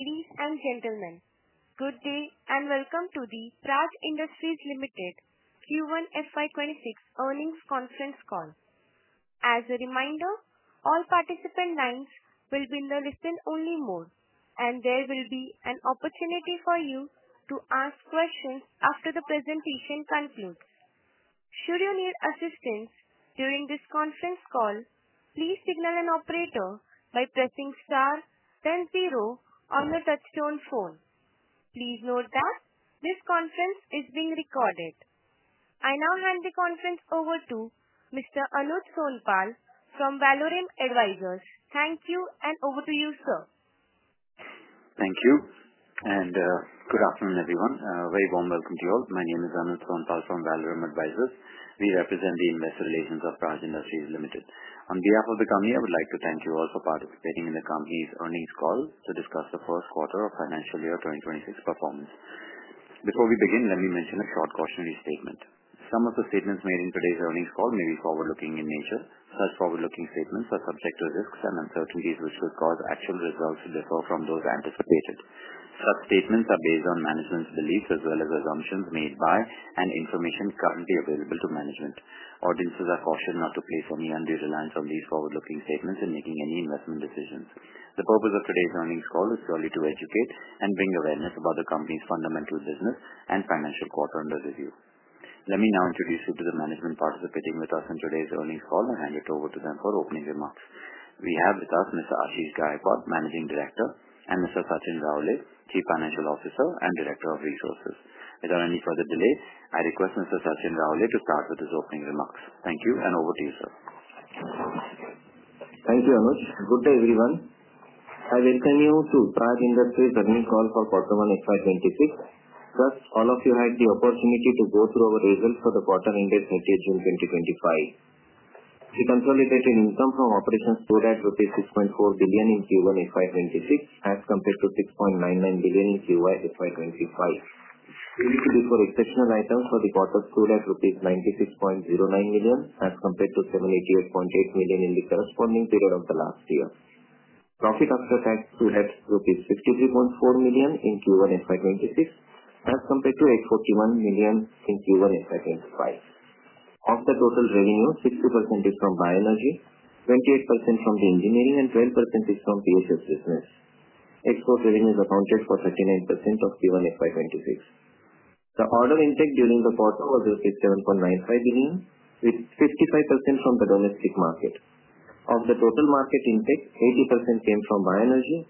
Ladies and gentlemen, good day and welcome to the Praj Industries Limited Q1-FY26 Earnings Conference Call. As a reminder, all participant names will be in the listen-only mode, and there will be an opportunity for you to ask questions after the presentation concludes. Should you need assistance during this conference call, please signal an operator by pressing star one zero on the touchtone phone. Please note that this conference is being recorded. I now hand the conference over to Mr. Anuj Sonpal from Valorem Advisors. Thank you and over to you, sir. Thank you and good afternoon, everyone. A very warm welcome to you all. My name is Anuj Sonpal from Valorem Advisors. We represent the investor relations of Praj Industries Limited. On behalf of the company, I would like to thank you all for participating in the company's earnings calls to discuss the first quarter of financial year 2026 performance. Before we begin, let me mention a short cautionary statement. Some of the statements made in today's earnings call may be forward-looking in nature. Such forward-looking statements are subject to risks and uncertainties, which could cause actual results to differ from those anticipated. Such statements are based on management's beliefs as well as assumptions made by and information currently available to management. Audiences are cautioned not to place any undue reliance on these forward-looking statements in making any investment decisions. The purpose of today's earnings call is purely to educate and bring awareness about the company's fundamental business and financial quarter under review. Let me now introduce you to the management participating with us in today's earnings call and hand it over to them for opening remarks. We have with us Mr. Ashish Gaikwad, Managing Director, and Mr. Sachin Raole, Chief Financial Officer and Director of Resources. Without any further delay, I request Mr. Sachin Raole to start with his opening remarks. Thank you and over to you, sir. Thank you, Anuj. Good day, everyone. I welcome you to Praj Industries' earnings call for quarter one FY26. Trust all of you to have the opportunity to go through our results for the quarter ended 28 June 2025. We consolidated income from operations to that of rupees 6.4 billion in Q1-FY26 as compared to 6.99 billion in Q1-FY25. We recruited for exceptional items for the quarter through that of rupees 96.09 million as compared to 288.8 million in the corresponding period of the last year. Profit after tax to that of rupees 53.4 million in Q1-FY26 as compared to 841 million in Q1-FY25. Of the total revenue, 60% is from biology, 28% from the engineering, and 12% is from Q3 business. Export revenues accounted for 38% of Q1-FY26. The order intake during the quarter was 7.95 billion, with 55% from the domestic market. Of the total market intake, 80% came from biology,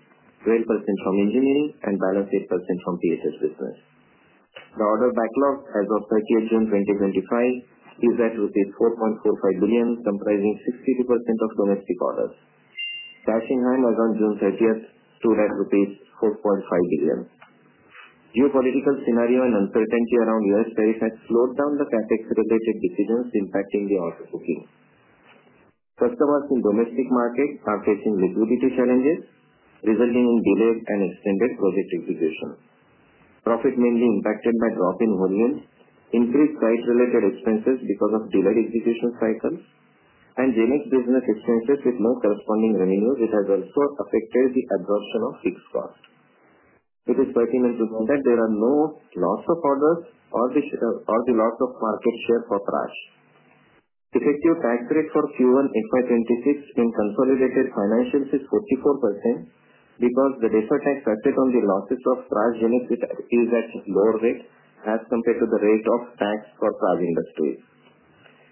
12% from engineering, and balanced 8% from PSS business. The order backlog as of 30 June 2025 is that of rupees 4.45 billion, comprising 62% of domestic orders. Cash in hand was on June 30th through that of rupees 4.5 billion. Geopolitical scenario and uncertainty around U.S. tariffs slowed down the CapEx-related decisions impacting the order booking. Customers in the domestic market are facing liquidity challenges, resulting in delayed and extended project execution. Profit mainly impacted by drop in volume, increased site-related expenses because of delayed execution cycles, and generic business expenses with no corresponding revenues with a result for affected the absorption of fixed cost. It is pertinent to note that there are no loss of orders or the loss of market share for Praj. Effective tax rate for Q1-FY26 in consolidated financials is 44% because the data has tested on the losses of Praj units with a few that is lower rate as compared to the rate of tax for Praj Industries.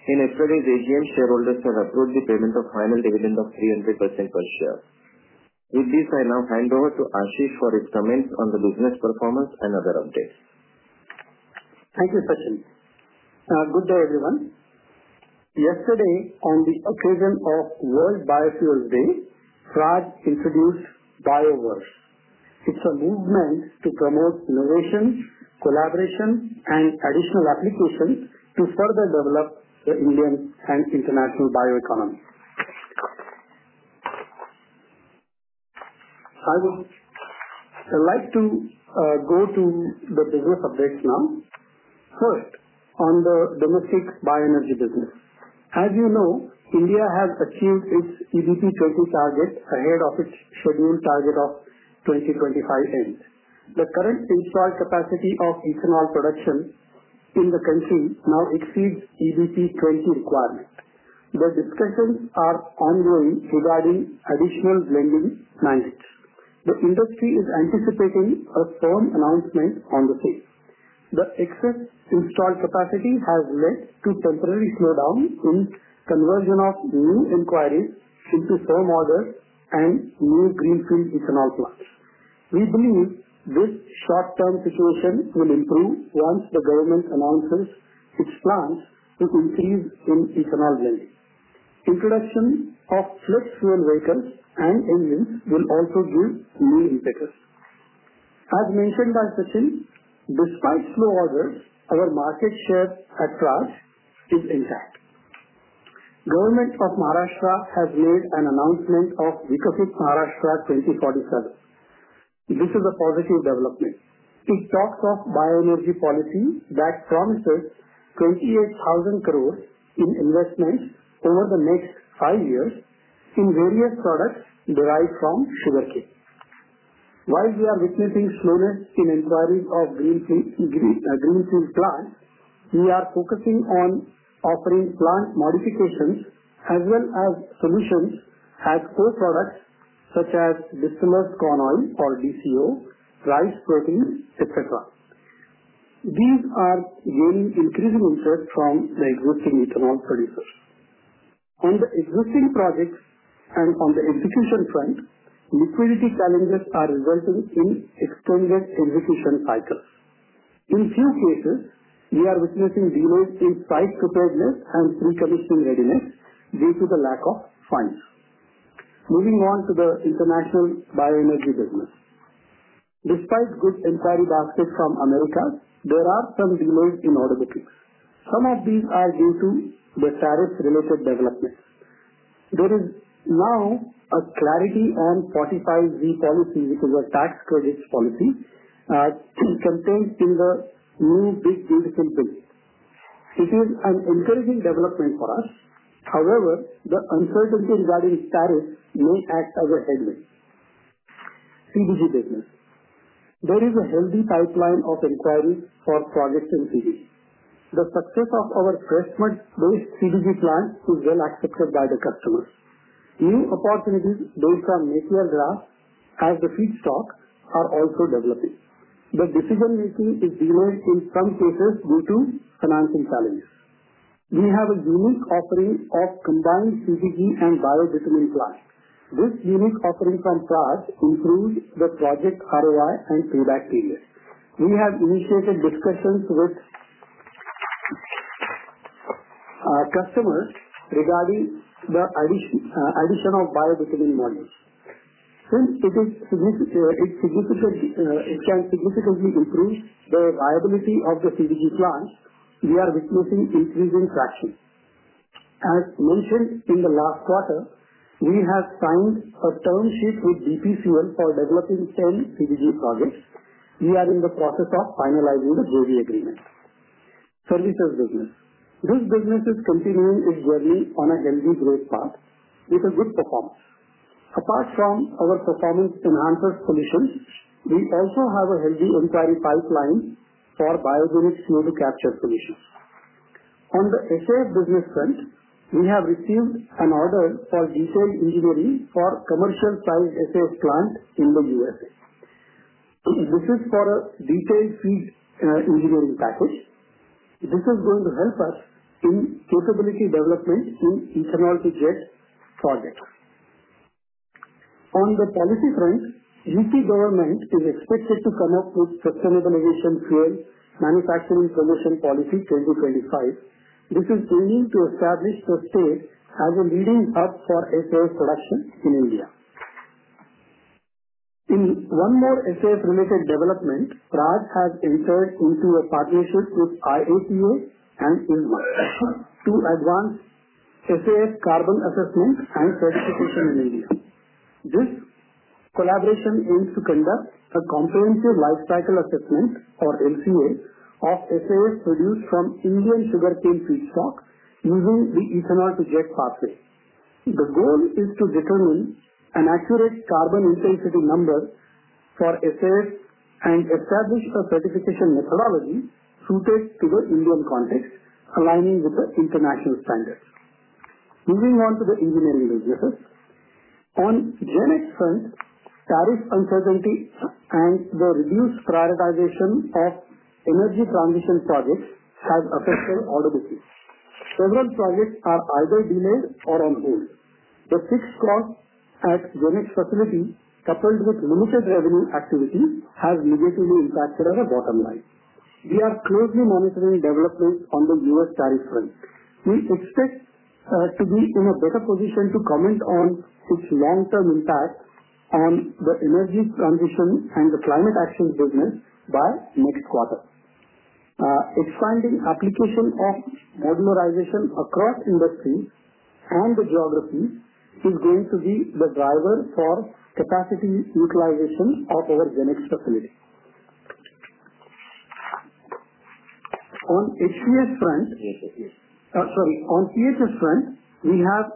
In FRA's AGM, shareholders have approved the payment of final dividend of 300% per share. With this, I now hand over to Ashish for his comments on the business performance and other updates. Thank you, Sachin. Good day, everyone. Yesterday, on the occasion of World Biofuel Day, Praj introduced BioVerse. It's a movement to promote innovation, collaboration, and additional applications to further develop the Indian and international bioeconomy. I would like to go to the business updates now. First, on the domestic bioenergy business. As you know, India has achieved its E20 blending target ahead of its scheduled target of 2025 end. The current installed capacity of ethanol production in the country now exceeds E20 requirements. The discussions are ongoing regarding additional blending plans. The industry is anticipating a firm announcement on the post. The excess installed capacity has led to temporary slowdown in conversion of new inquiries into firm orders and new greenfield ethanol projects. We believe this short-term situation will improve once the government announces its plans to increase in ethanol delivery. Introduction of flex fuel vehicles and engines will also give new impetus. As mentioned by Sachin, despite slow orders, our market share at Praj is intact. The government of Maharashtra has made an announcement of Vikasit Maharashtra 2047. This is a positive development. Two stacks of bioenergy policy that promises 28,000 crore in investments over the next five years in various products derived from tuber crops. While we are witnessing slowness in inquiry of greenfield plants, we are focusing on offering plant modifications as well as solutions as core products such as distillers corn oil or DCO, rice protein, etc. These are gaining increasing interest from the existing ethanol producers. On the existing projects and on the inefficient refineries, liquidity challenges are resulting in extended inefficient cycles. In such resources, we are witnessing demands in site preparedness and precondition readiness due to the lack of funding. Moving on to the international bioenergy business. Despite good inquiry baskets from America, there are some demands in order intake. Some of these are due to the tariffs-related developments. There is now a clarity on 45Z tax credits policy which is a tax credits policy as to confirm in the new BIS 2025. It is an encouraging development for us. However, the uncertainty regarding status may act as a holding CBG business. There is a holding pipeline of inquiries for projection city. The success of our fresh fruit-based CBG plants is well accepted by the customers. New opportunities built from natural gas as the feedstocks are also developing. The decision-making is demanded in some cases due to financial challenges. We have a unique offering of combined compressed biogas and bio-bitumen plants. This unique offering from Praj improves the project ROI and payback period. We have initiated discussions with customers regarding the addition of bio-bitumen model. Since it can significantly improve the reliability of the compressed biogas plants, we are witnessing increasing traction. As mentioned in the last quarter, we have signed a term sheet with BPCL for developing 10 compressed biogas projects. We are in the process of finalizing the BOVE agreement. Services business. This business is continuing its journey on a stronger growth path with a good performance. Apart from our performance to Nantes Collisions, we also have a healthy inquiry pipeline for biounits through the capture solution. On the SAF business front, we have received an order for design engineering for a commercial-sized SAF in the U.S. This is for a detailed seed engineering package. This is going to help us in portability development in ethanol-tagged solvents. On the policy front, we see government is expected to come up with sustainable fuel manufacturing promotion policy 2025. This is aiming to establish the state as a leading hub for SAF production in India. In one more SAF-related development, Praj has entered into a partnership with IOTO and ILLU to advance SAF carbon assessment and specification in India. This collaboration aims to conduct a comprehensive lifecycle carbon assessment or LCA of SAF produced from Indian sugarcane feedstocks using the ethanol-tagged pathway. The goal is to determine an accurate carbon intensity number for SAF and establish a certification methodology suited to the Indian context, aligning with the international standards. Moving on to the engineering resources. On unit front, tariff uncertainty and the reduced prioritization of energy transition projects have affected order booking. Several projects are either delayed or on hold. The fixed cost at the GenX modularization facility, coupled with limited revenue activity, has negatively impacted our bottom line. We are closely monitoring developments on the U.S. tariff front. We expect to be in a better position to comment on its long-term impact on the energy transition and the climate action business by next quarter. It's finding application of modernization across industry, and the geography is going to be the driver for capacity utilization of our next facility. On ethanol front, we have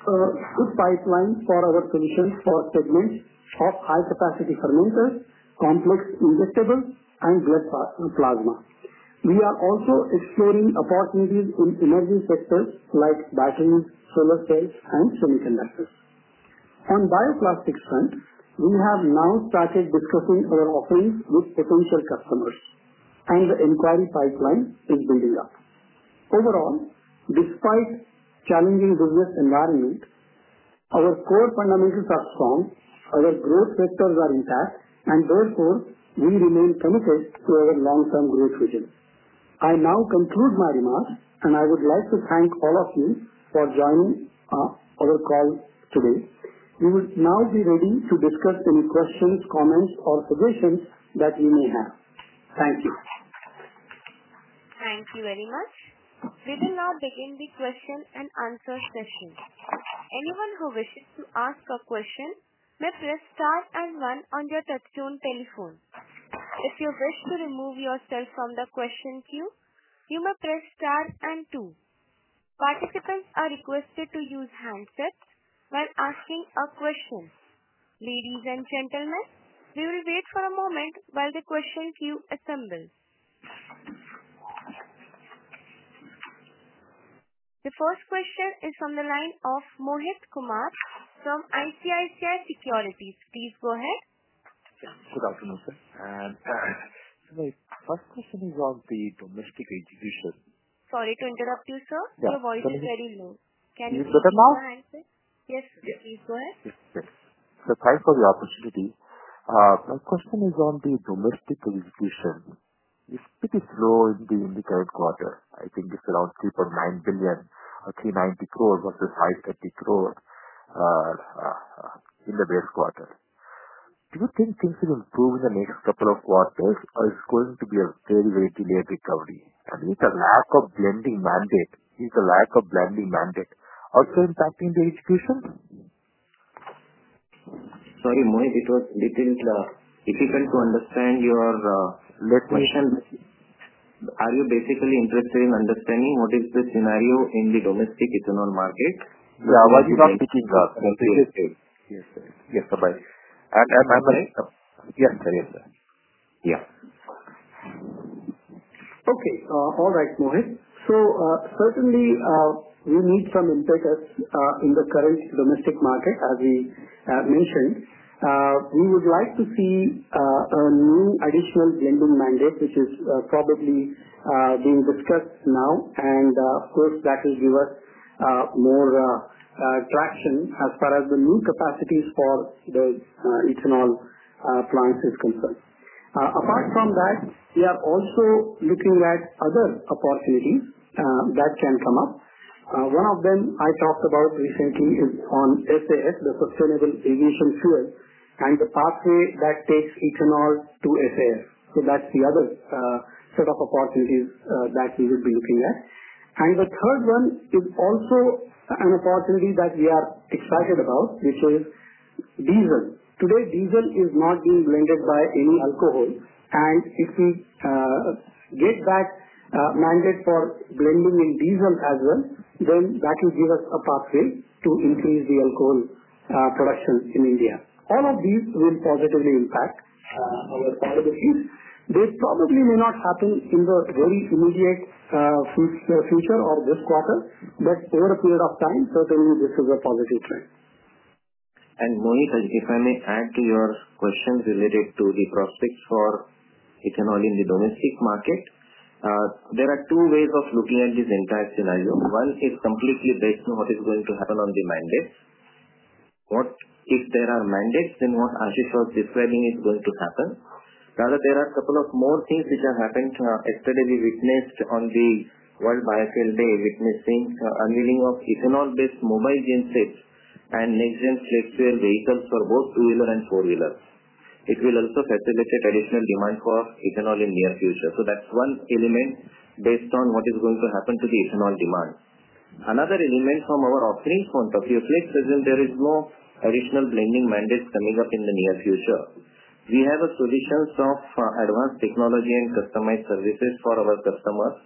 a good pipeline for our solutions for segments of high-capacity fermenters, canned mixed vegetables, and blood plasma. We are also exploring opportunities in emerging sectors like batteries, solar cells, and semiconductors. On the bioplastics front, we have now started discussing other offerings with potential customers, and the inquiry pipeline is building up. Overall, despite a challenging business environment, our core fundamentals are strong, our growth sectors are intact, and therefore, we remain committed to our long-term growth vision. I now conclude my remarks, and I would like to thank all of you for joining our call today. We will now be ready to discuss any questions, comments, or suggestions that you may have. Thank you. Thank you, everyone. We will now begin the question and answer session. Anyone who wishes to ask a question may press star and one on your touchtone telephone. If you wish to remove yourself from the question queue, you may press star and two. Participants are requested to use handsets while asking a question. Ladies and gentlemen, we will wait for a moment while the question queue assembles. The first question is from the line of Mohit Kumar from ICICI Securities. Please go ahead. Yes. Good afternoon. Today's first question is on the domestic education. Sorry to interrupt you, sir. Your voice is very low. Can you say that now? Yes, please go ahead. Yes. Thanks for the opportunity. My question is on the domestic education. You said it's low in the current quarter. I think it's around 3.9 billion or 3.9 crore versus 5.3 crore in the base quarter. Do you think things will improve in the next couple of quarters or is it going to be a very, very delayed recovery? Is the lack of blending mandate also impacting the education? Sorry, Mohit, it was a little difficult to understand your definition. Are you basically interested in understanding what is the scenario in the domestic ethanol market? Bharat Petroleum Corporation Limited. Am I alright? Yes, sir. Okay. All right, Mohit. Certainly, you need some impetus in the current domestic market, as you have mentioned. We would like to see a new additional blending mandate, which is probably being discussed now. Of course, that will give us more traction as far as the new capacities for today's ethanol plant is concerned. Apart from that, we are also looking at other opportunities that can come up. One of them I talked about recently is on SAF, the Sustainable Aviation Fuel, and the pathway that takes ethanol to SAF. That's the other set of opportunities that we will be looking at. The third one is also an opportunity that we are excited about, which is diesel. Today, diesel is not being blended by any alcohol. If we get that mandate for blending in diesel as well, then that will give us a pathway to increase the alcohol production in India. All of these will positively impact our core business. This probably may not happen in the very immediate future or this quarter, but over a period of time, certainly, this is a positive trend. Mohit, if I may add to your question related to the prospects for ethanol in the domestic market, there are two ways of looking at this entire scenario. One is completely based on what is going to happen on the mandates. If there are mandates, then what Ashish was referring is going to happen. Rather, there are a couple of more things which are happening. Yesterday, we witnessed on the World Biofuel Day, witnessing the unveiling of ethanol-based mobile gensets and next-gen flex fuel vehicles for both two-wheeler and four-wheelers. It will also facilitate additional demand for ethanol in the near future. That's one element based on what is going to happen to the ethanol demand. Another element from our offering point of view, if there is no additional blending mandates coming up in the near future, we have a solution of advanced technology and customized services for our customers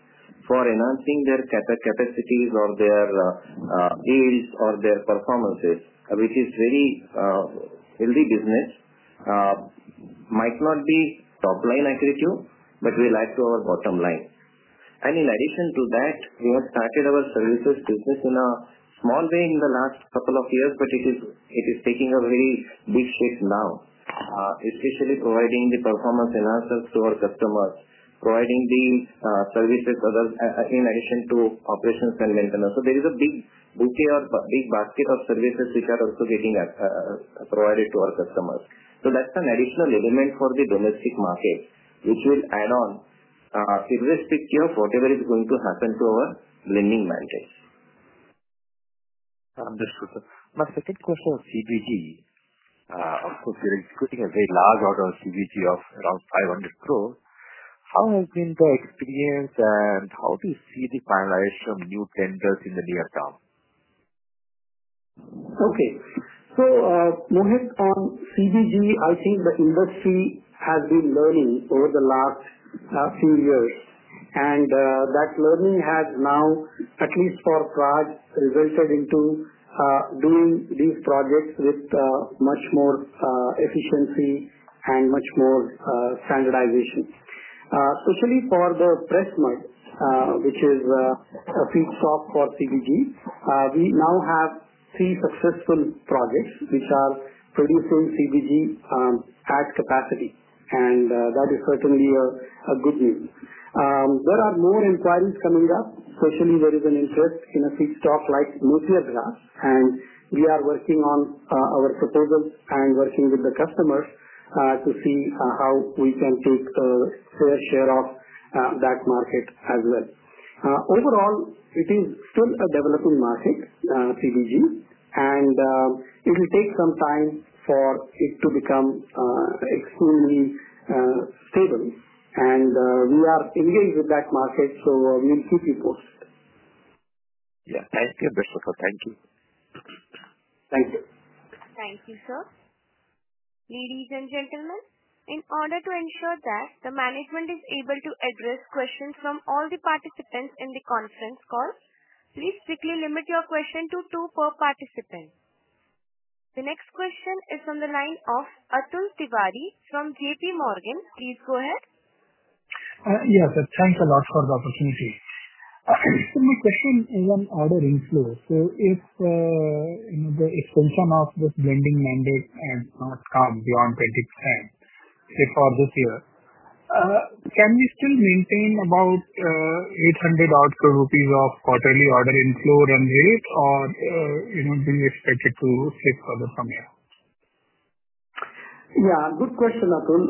for enhancing their capacities or their yields or their performances, which is very healthy business. It might not be top-line accuracy, but relies on our bottom line. In addition to that, we have started our services business in a small way in the last couple of years, but it is taking a very big shift now, especially providing the performance enhancers to our customers, providing the services in addition to operations and maintenance. There is a big bouquet or big basket of services which are also getting provided to our customers. That's an additional element for the domestic market, which will add on a realistic view of whatever is going to happen to our blending mandates. Understood, sir. My second question is CBG. Of course, we're expecting a very large order of CBG of around 500 crore. How has been the experience, and how do you see the finalization of new tenders in the near term? Okay. Mohit, CBG, I think the industry has been learning over the last few years. That learning has now, at least for Praj, resulted in doing these projects with much more efficiency and much more standardization. Certainly, for the press mode, which is a feedstock for CBG, we now have three successful projects which are producing CBG at capacity. That is certainly good news. There are more inquiries coming up. Certainly, there is an interest in a feedstock like nuclear gas. We are working on our proposal and working with the customers to see how we can take care of that market as well. Overall, it is still a developing market, CBG, and it will take some time for it to become extremely stable. We are engaged with that market, so we will keep you posted. Thank you, Mr. Sir. Thank you. Thank you. Thank you, sir. Ladies and gentlemen, in order to ensure that the management is able to address questions from all the participants in the conference call, please strictly limit your question to two per participant. The next question is from the line of Atul Tiwari from JPMorgan. Please go ahead. Yes, thanks a lot for the opportunity. My question is on order inflow. If the extension of the blending mandate has not come beyond 26th, say, for this year, can we still maintain about 800 crore rupees of quarterly order inflow and release, or do you expect it to shift further from there? Yeah, good question, Atul.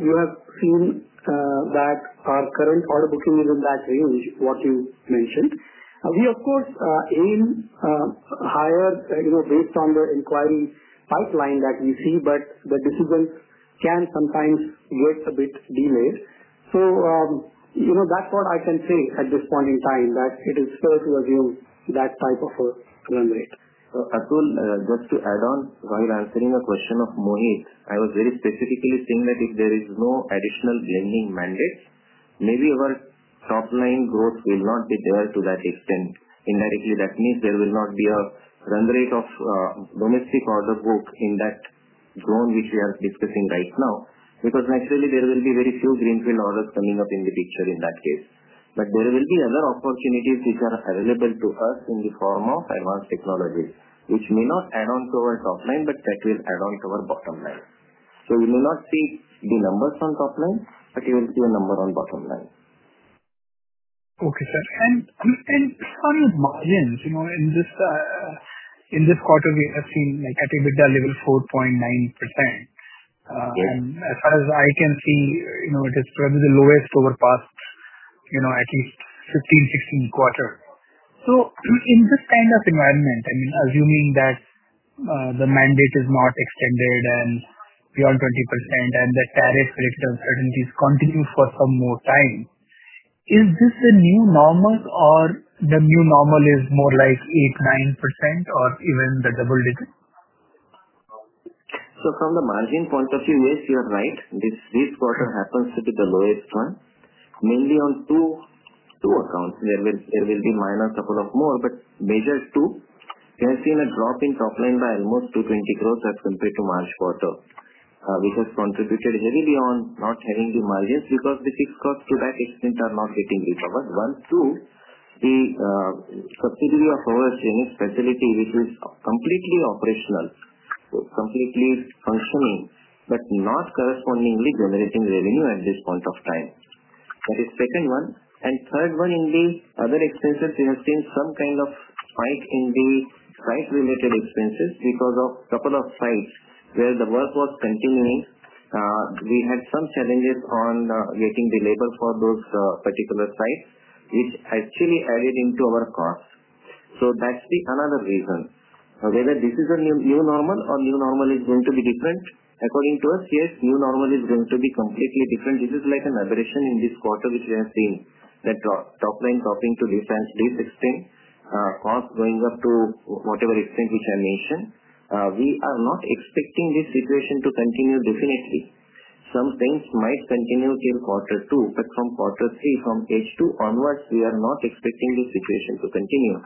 You have seen that our current order booking is in that range, what you mentioned. We, of course, aim higher based on the inquiry pipeline that we see, but the decision can sometimes be a bit delayed. That's what I can say at this point in time, that it is fair to assume that type of run rate. Atul, just to add on, while answering your question of Mohit, I was very specifically saying that if there is no additional blending mandate, maybe our top-line growth will not be there to that extent. Indirectly, that means there will not be a run rate of domestic order book in that zone which we are discussing right now, because naturally, there will be very few greenfield orders coming up in the picture in that case. There will be other opportunities which are available to us in the form of advanced technology, which may not add on to our top line, but that will add on to our bottom line. We will not see the numbers on top line, but we will see a number on bottom line. Okay, sir. How do you imagine, you know, in this quarter, we have seen like at a bigger level, 4.9%. As far as I can see, you know, it is probably the lowest over the past, you know, at least 15, 16 quarters. In this kind of environment, I mean, assuming that the mandate is not extended beyond 20% and the tariffs and uncertainties continue for some more time, is this the new normal or the new normal is more like 8%, 9% or even the double digit? From the margin point of view, yes, you're right. This quarter happens to be the lowest one, mainly on two accounts. There will be minus a couple of more, but major two. We have seen a drop in top line by almost 2.20 billion as compared to last quarter. We have contributed very beyond not having the margins because the fixed costs to that extent are not hitting each of us. One too, the subsidiary of our service facility, which is completely operational, completely functioning, but not correspondingly generating revenue at this point of time. That is the second one. In the other expenses, we have seen some kind of spike in the site-related expenses because of a couple of sites where the work was continuing. We had some challenges on getting the labor for those particular sites, which actually added into our costs. That's another reason. Whether this is a new normal or new normal is going to be different, according to us, yes, new normal is going to be completely different. This is like an aberration in this quarter, which we are seeing, the top line dropping to this extreme, cost going up to whatever extent we can mention. We are not expecting this situation to continue definitely. Some things might continue till quarter two, but from quarter three, from H2 onwards, we are not expecting the situation to continue.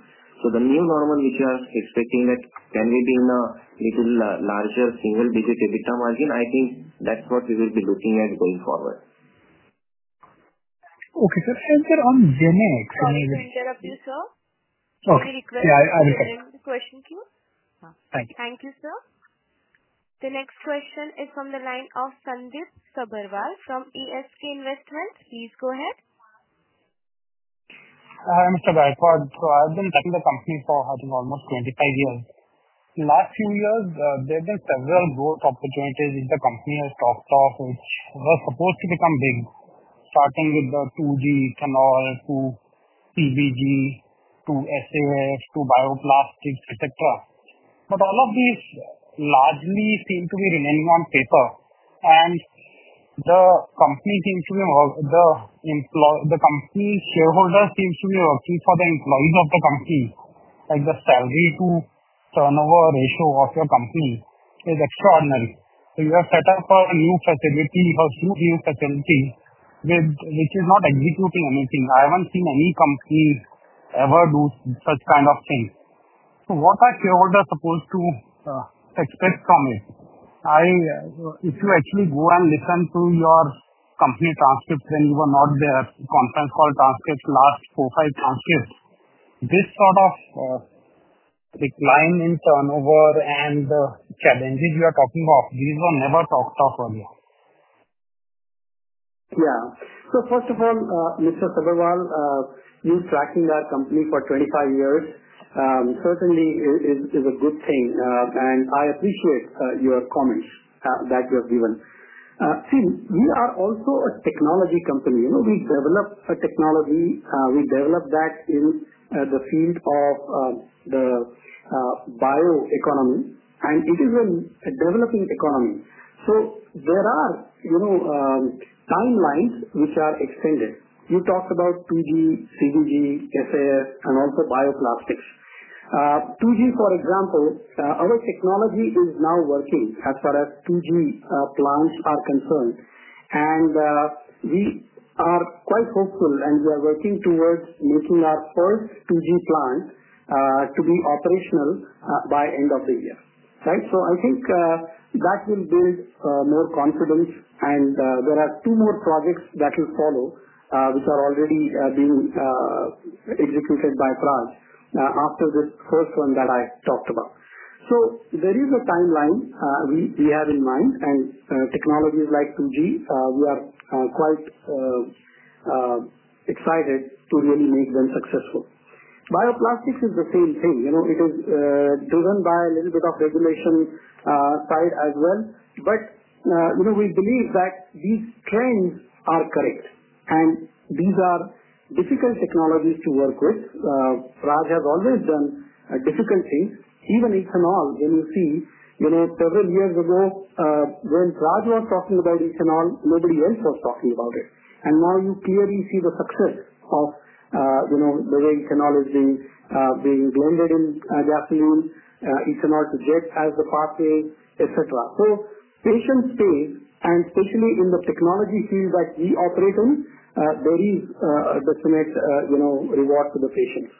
For the new normal, which we are expecting that can be in a little larger single-digit EBITDA margin, I think that's what we will be looking at going forward. Okay, sir. Thank you. Mr. Sharapu, sir? Okay. We request that you answer the question queue. Thank you. Thank you, sir. The next question is from the line of Sandeep Sabharwal from ESK Investments. Please go ahead. Hi, Mr. Gaikwad. I've been running the company for almost 25 years. In the last few years, there have been several growth opportunities in the company as part of which we're supposed to become big, starting with the 2G ethanol to CBG to SAF to bioplastics, etc. All of these largely seem to be remaining on paper, and the company seems to be involved. The company shareholders seem to be working for the employees of the company, like the salary-to-turnover ratio of your company is extraordinary. You have set up a new facility, a few new facilities, which is not executing anything. I haven't seen any company ever do such kind of thing. What are shareholders supposed to expect from it? If you actually go and listen to your company transcripts when you were not there, the conference call transcripts, last four or five transcripts, this sort of decline in turnover and the challenges you are talking of, these were never talked of earlier. Yeah. First of all, Mr. Sabharwal, you tracking that company for 25 years certainly is a good thing. I appreciate your comments that you have given. See, we are also a technology company. You know we develop a technology. We develop that in the field of the bioeconomy, and it is a developing economy. There are timelines which are extended. You talked about 2G, CBG, SAF, and also bioplastics. 2G, for example, our technology is now working as far as 2G plants are concerned. We are quite hopeful, and we are working towards making our first 2G plants to be operational by the end of the year. I think that will build more confidence. There are two more projects that will follow, which are already being executed by Praj after the first one that I talked about. There is a timeline we have in mind. Technologies like 2G, we are quite excited to really make them successful. Bioplastics is the same thing. It is driven by a little bit of regulation tied as well. We believe that these trends are correct, and these are difficult technologies to work with. Praj has always done a difficult thing, even ethanol. Several years ago, when Praj was talking about ethanol, nobody else was talking about it. Now you clearly see the success of bioecology being blended in the fuel. Ethanol-tigged has the pathway, etc. Patience to it, and especially in the technology field that we operate in, there is a definite reward to the patients.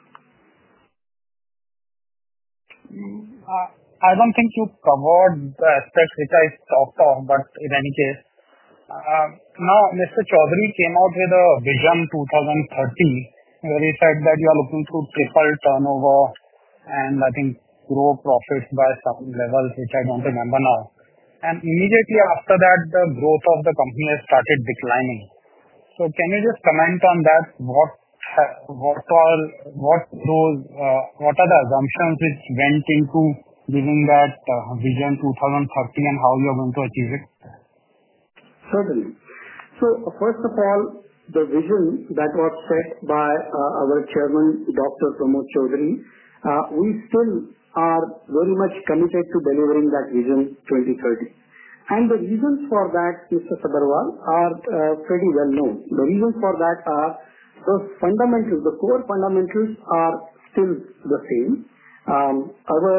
I don't think you covered the aspects which I talked of, but in any case, now Mr. Chaudhari came out with a vision in 2013 where he said that you are looking to triple turnover and I think grow profits by certain levels, which I don't remember now. Immediately after that, the growth of the company has started declining. Can you just comment on that? What are the assumptions which went into giving that vision 2030 and how you're going to achieve it? Certainly. First of all, the vision that was set by our Chairman, Dr. Pramod Chaudhari, we still are very much committed to delivering that vision 2030. The reasons for that, Mr. Sabharwal, are pretty well known. The reasons for that are the fundamentals. The core fundamentals are still the same. Our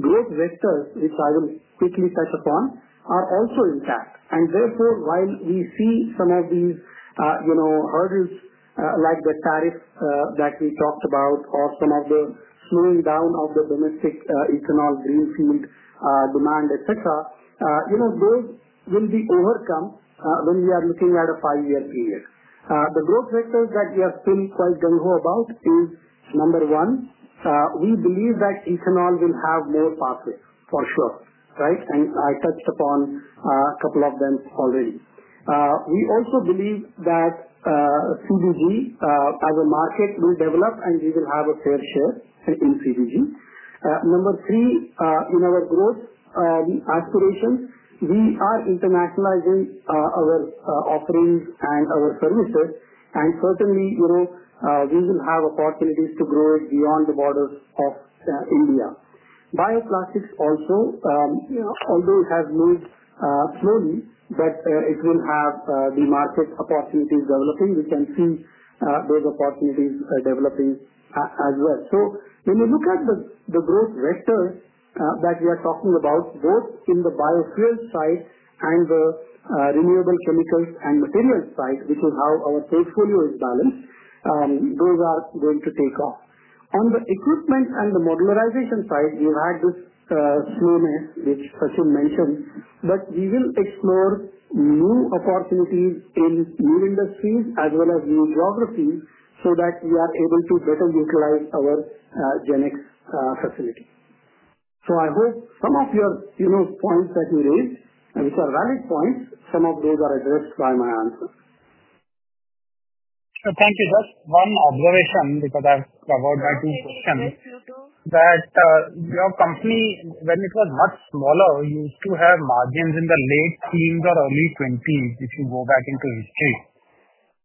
growth vectors, which I will quickly touch upon, are also intact. Therefore, while we see some of these hurdles like the tariffs that we talked about or some of the slowing down of the domestic ethanol greenfield demand, etc., those will be overcome when we are looking at a five-year view. The growth vectors that we are still quite gung ho about is, number one, we believe that ethanol will have more pathways for sure. Right? I touched upon a couple of them already. We also believe that CBG as a market will develop, and we will have a third share within CBG. Number three, in our growth aspirations, we are internationalizing our offerings and our services. Certainly, we will have opportunities to grow it beyond the borders of India. Bioplastics also, although it has moved slowly, it will have the market opportunities developing. We can see those opportunities developing as well. When you look at the growth vector that we are talking about, both in the biofuel side and the renewable chemicals and materials side, which is how our portfolio is balanced, those are going to take off. On the equipment and the modularization side, you had this slowness, which Ashish mentioned, but we will explore new opportunities to use new industries as well as new geography so that we are able to better utilize our GenX facility. I hope some of your points that you raised, and these are valid points, some of those are addressed by my answer. Thank you. Just one observation because I have covered my two questions. Please do. That your company, when it was much smaller, used to have margins in the late teens or early 20s if you go back into history.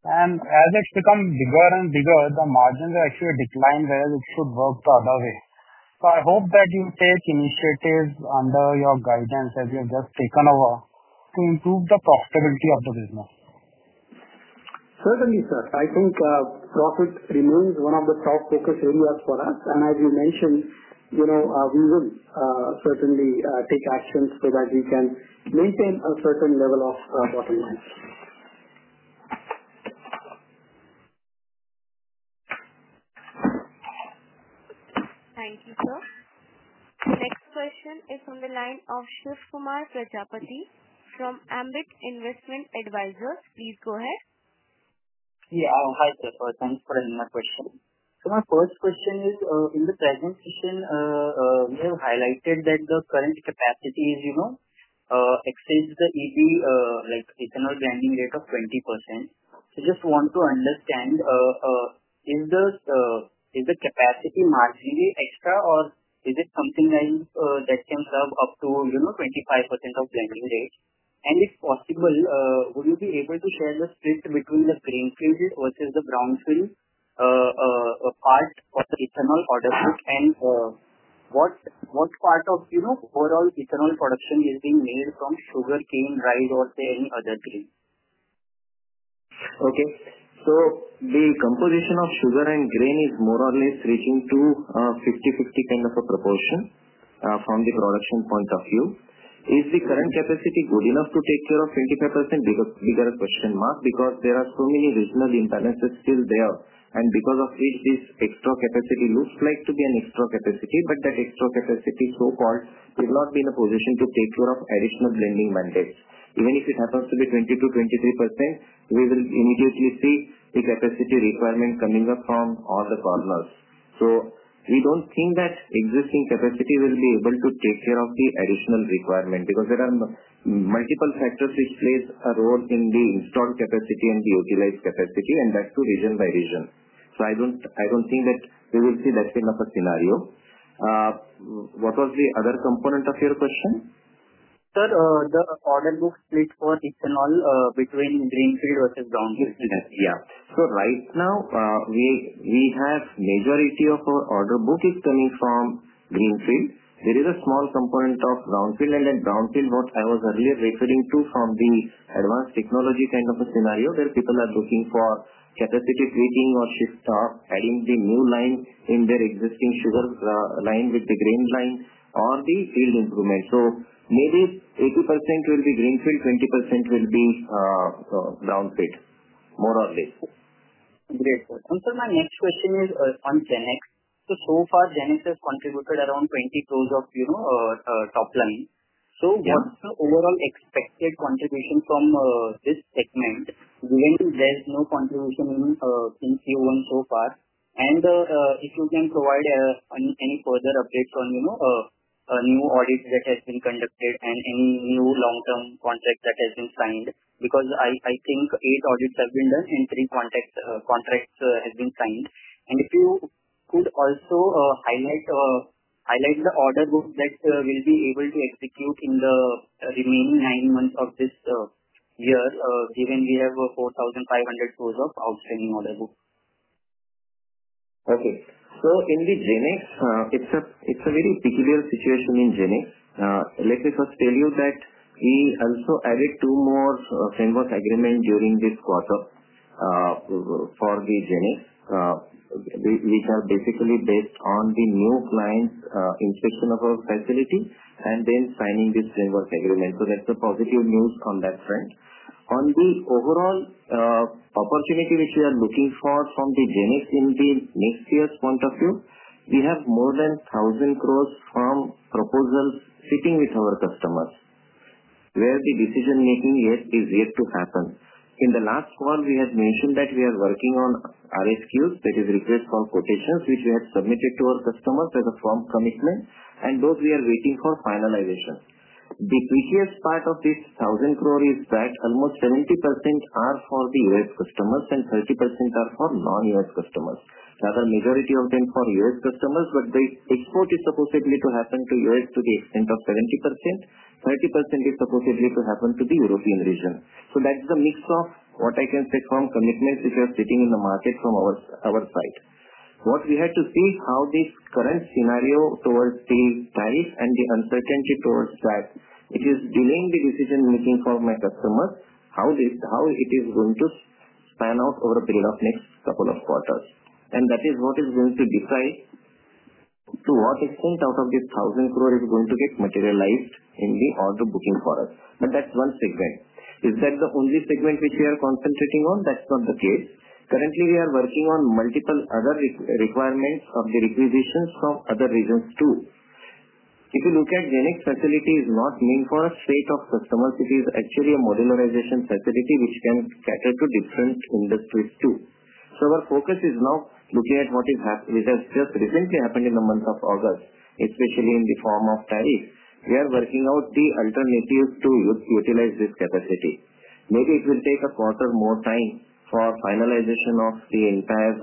As it's become bigger and bigger, the margins are actually declined where it should work the other way. I hope that you take initiatives under your guidance as you have just taken over to improve the profitability of the business. Certainly, sir. I think profit remains one of the thought leaders for us. As you mentioned, you know we will certainly take actions so that we can maintain a certain level of bottom lines. Thank you, sir. The next question is from the line of Shivkumar Prajapati from Ambit Investment Advisors. Please go ahead. Yeah. Hi, Shivkumar. Thanks for asking my question. My first question is, in the presentation, you have highlighted that the current capacity exceeds the ethanol blending rate of 20%. I just want to understand, is the capacity marginally extra or is it something that can climb up to 25% of blending rate? If possible, would you be able to share the split between the greenfield versus the brownfield parts of the ethanol order book? What's part of overall ethanol production is being made from sugar, thin rice, or any other thing? Okay. The composition of sugar and grain is more or less reaching to a 50/50 kind of a proportion from the production point of view. Is the current capacity good enough to take care of 25%? You get a question mark because there are so many regional imbalances still there. Because of which this extra capacity looks like to be an extra capacity, but that extra capacity so-called will not be in a position to take care of additional blending mandates. Even if it happens to be 20%-23%, we will immediately see the capacity requirement coming up from all the corners. We don't think that existing capacity will be able to take care of the additional requirement because there are multiple factors which play a role in the installed capacity and the utilized capacity, and that's to reason by reason. I don't think that we will see that kind of a scenario. What was the other component of your question? Sir, the order book split for ethanol, between greenfield versus brownfield? Yes. Right now, we have majority of our order book coming from greenfield. There is a small component of brownfield, and that brownfield, what I was earlier referring to from the advanced technology kind of a scenario where people are looking for capacity tweaking or shift stock, adding the new line in their existing sugar line with the grain line or the field improvement. Maybe 30% will be greenfield, 20% will be brownfield, more or less. Okay. My next question is on GenX. So far, GenX has contributed around 20 crore of top line. What's the overall expected contribution from this segment? We aim to drive no contribution even in Q1 so far. If you can provide any further updates on a new audit that has been conducted and any new long-term contracts that have been signed because I think eight audits have been done and three contracts have been signed. If you could also highlight the order book that we'll be able to execute in the remaining nine months of this year, given we have 4,500 crore of outstanding order books. Okay. In the GenX, it's a very peculiar situation in GenX. Let me first tell you that we also added two more framework agreements during this quarter for the GenX, which are basically based on the new client's inspection of our facility and then signing this framework agreement. That's the positive news on that front. On the overall opportunity which we are looking for from the GenX in the next year's point of view, we have more than 1,000 crore from proposals sitting with our customers where the decision-making is yet to happen. In the last call, we mentioned that we are working on RFQs, that is requests for quotations, which we have submitted to our customers as a form commitment. We are waiting for finalization. The crucial part of this 1,000 crore is that almost 70% are for the U.S. customers and 30% are for non-U.S. customers. The majority of them are for U.S. customers, but the export is supposed to happen to U.S. to the extent of 70%. 30% is supposed to happen to the European region. That's the mix of what I can say from commitments which are sitting in the market from our side. What we have to see is how this current scenario towards things dies and the uncertainty towards that is delaying the decision-making for my customers, how it is going to pan out over the next couple of quarters. That is what is going to decide to what extent out of this 1,000 crore is going to get materialized in the order booking for us. That's one segment. Is that the only segment which we are concentrating on? That's not the case. Currently, we are working on multiple other requirements of the requisitions from other regions too. If you look at GenX facilities, not meant for a state of customers, which is actually a modularization facility which can cater to different industries too. Our focus is now looking at what has just recently happened in the month of August, especially in the form of tariff. We are working out the alternatives to utilize this capacity. Maybe it will take a quarter more time for finalization of the entire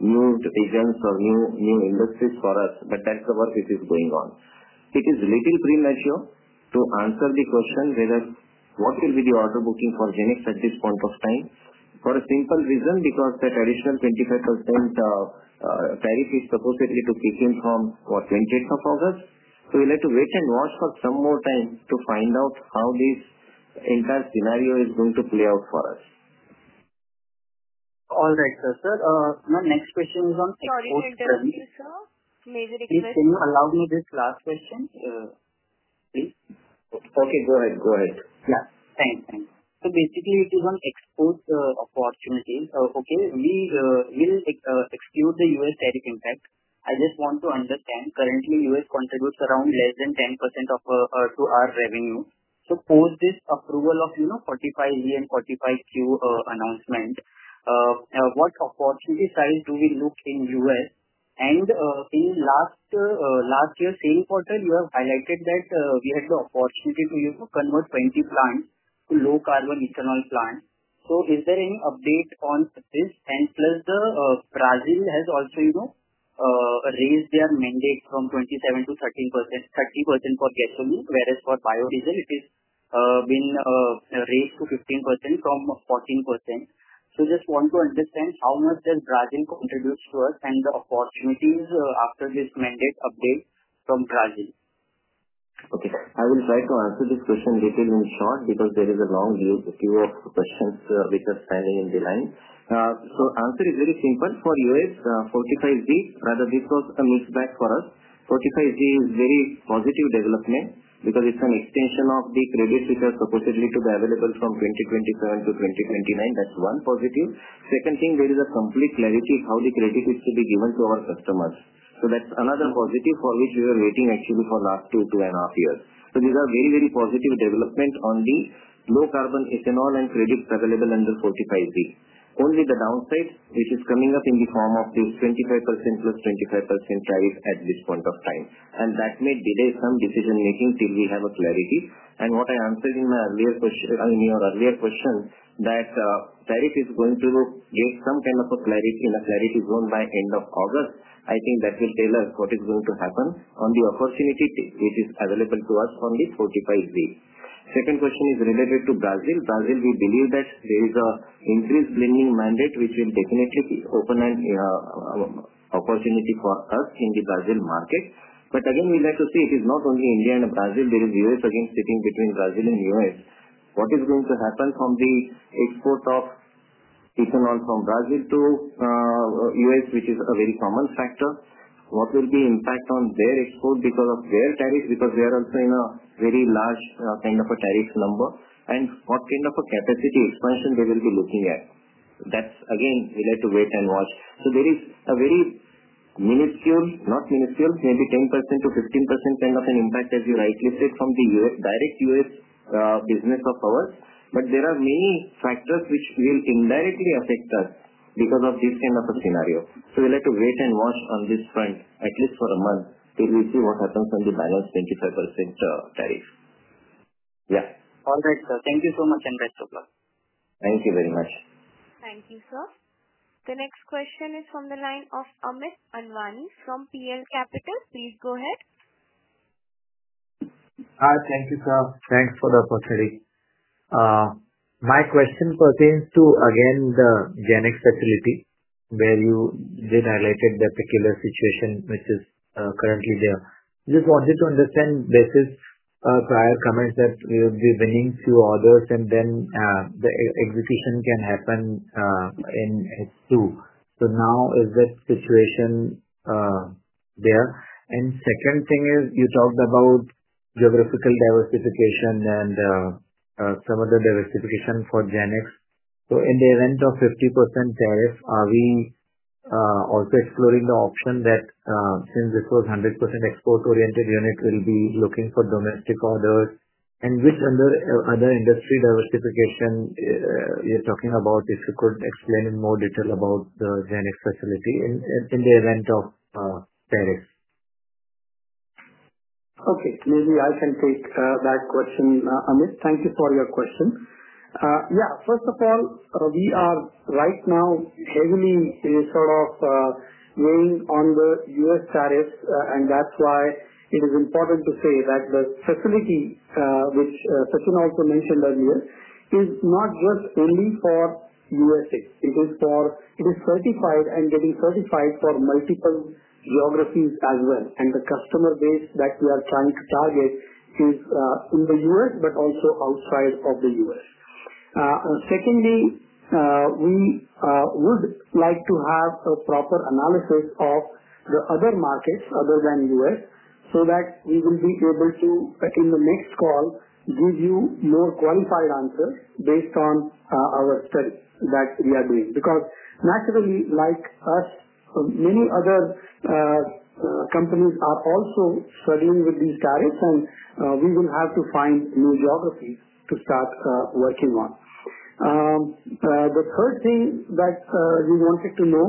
new divisions or new industries for us, but that's the work which is going on. It is a little premature to answer the question whether what will be the order booking for GenX at this point of time for a simple reason because that additional 25% tariff is supposed to kick in from, what, 26th of August. We would like to wait and watch for some more time to find out how this entire scenario is going to play out for us. All right, sir. My next question is on. Sorry to interrupt you, sir. Please allow me this last question. Please. Okay. Go ahead. Go ahead. Yeah. Thanks. Thanks. Basically, if you can exclude the opportunities, okay, we will exclude the U.S. tariff impact. I just want to understand, currently, U.S. contributes around less than 10% of our revenue. Suppose this approval of 45E and 45Q announcement. What opportunity size do we look in the U.S.? In the last year, same quarter, you have highlighted that we had the opportunity to convert 20 plants to low-carbon ethanol plants. Is there any update on this? Plus, Brazil has also, you know, raised their mandates from 27%-30% for gasoline, whereas for biodiesel, it has been raised to 15% from 14%. I just want to understand how much does Brazil contribute to us and the opportunities after this mandate update from Brazil? Okay. I will try to answer this question in detail in short because there is a long queue of questions which are standing in the line. The answer is very simple. For U.S., 45Z, rather big of a missed batch for us. 45Z is a very positive development because it's an extension of the credits which are supposed to be available from 2027 to 2029. That's one positive. Second thing, there is a complete clarity in how the credit is to be given to our customers. That's another positive for which we are waiting actually for the last two and a half years. These are very, very positive developments on the low-carbon ethanol and credits available under 45Z. Only the downside, which is coming up in the form of this 25% plus 25% tariff at this point of time. That may delay some decision-making till we have clarity. What I answered in my earlier question, in your earlier question, that tariff is going to give some kind of a clarity in a clarity zone by the end of August, I think that will tell us what is going to happen on the opportunity which is available to us on the 45Z. Second question is related to Brazil. Brazil, we believe that there is an increased blending mandate which will definitely be an open opportunity for us in the Brazil market. Again, we like to see if it's not only India and Brazil. There is a U.S. again sitting between Brazil and the U.S. What is going to happen from the export of ethanol from Brazil to the U.S., which is a very common factor? What will be the impact on their export because of their tariffs? They are also in a very large kind of a tariff number. What kind of a capacity expansion they will be looking at? Again, we like to wait and watch. There is a very minuscule, not minuscule, maybe 10%-15% kind of an impact, as you rightly said, from the direct U.S. business of ours. There are many factors which will indirectly affect us because of this kind of a scenario. We like to wait and watch on this front at least for a month till we see what happens on the balance 25% tariff. All right, sir. Thank you so much and best of luck. Thank you very much. Thank you, sir. The next question is from the line of Amit Anwani from PL Capital. Please go ahead. Thank you, sir. Thanks for the opportunity. My question pertains to, again, the GenX modularization facility where you did highlight the particular situation, which is currently there. Just wanted to understand, this is a prior comment that you would be bringing two orders, and then the execution can happen in H2. Is that situation there? The second thing is you talked about geographical diversification and some of the diversification for GenX. In the event of 50% tariff, are we also exploring the option that since this was 100% export-oriented, the unit will be looking for domestic orders? Which other industry diversification are you talking about, if you could explain in more detail about the GenX modularization facility in the event of tariffs? Okay. Maybe I can take that question, Amit. Thank you for your question. First of all, we are right now resuming the sort of moving on the U.S. tariffs, and that's why it is important to say that the facility, which Sachin also mentioned earlier, is not just only for the U.S. It is certified and will be certified for multiple geographies as well. The customer base that we are trying to target is in the U.S., but also outside of the U.S. Secondly, we would like to have a proper analysis of the other markets other than the U.S. so that we will be able to, in the next call, give you more qualified answers based on our study that we are doing. Naturally, like us, many other companies are also struggling with the tariff, and we will have to find new geographies to start working on. The third thing that we wanted to know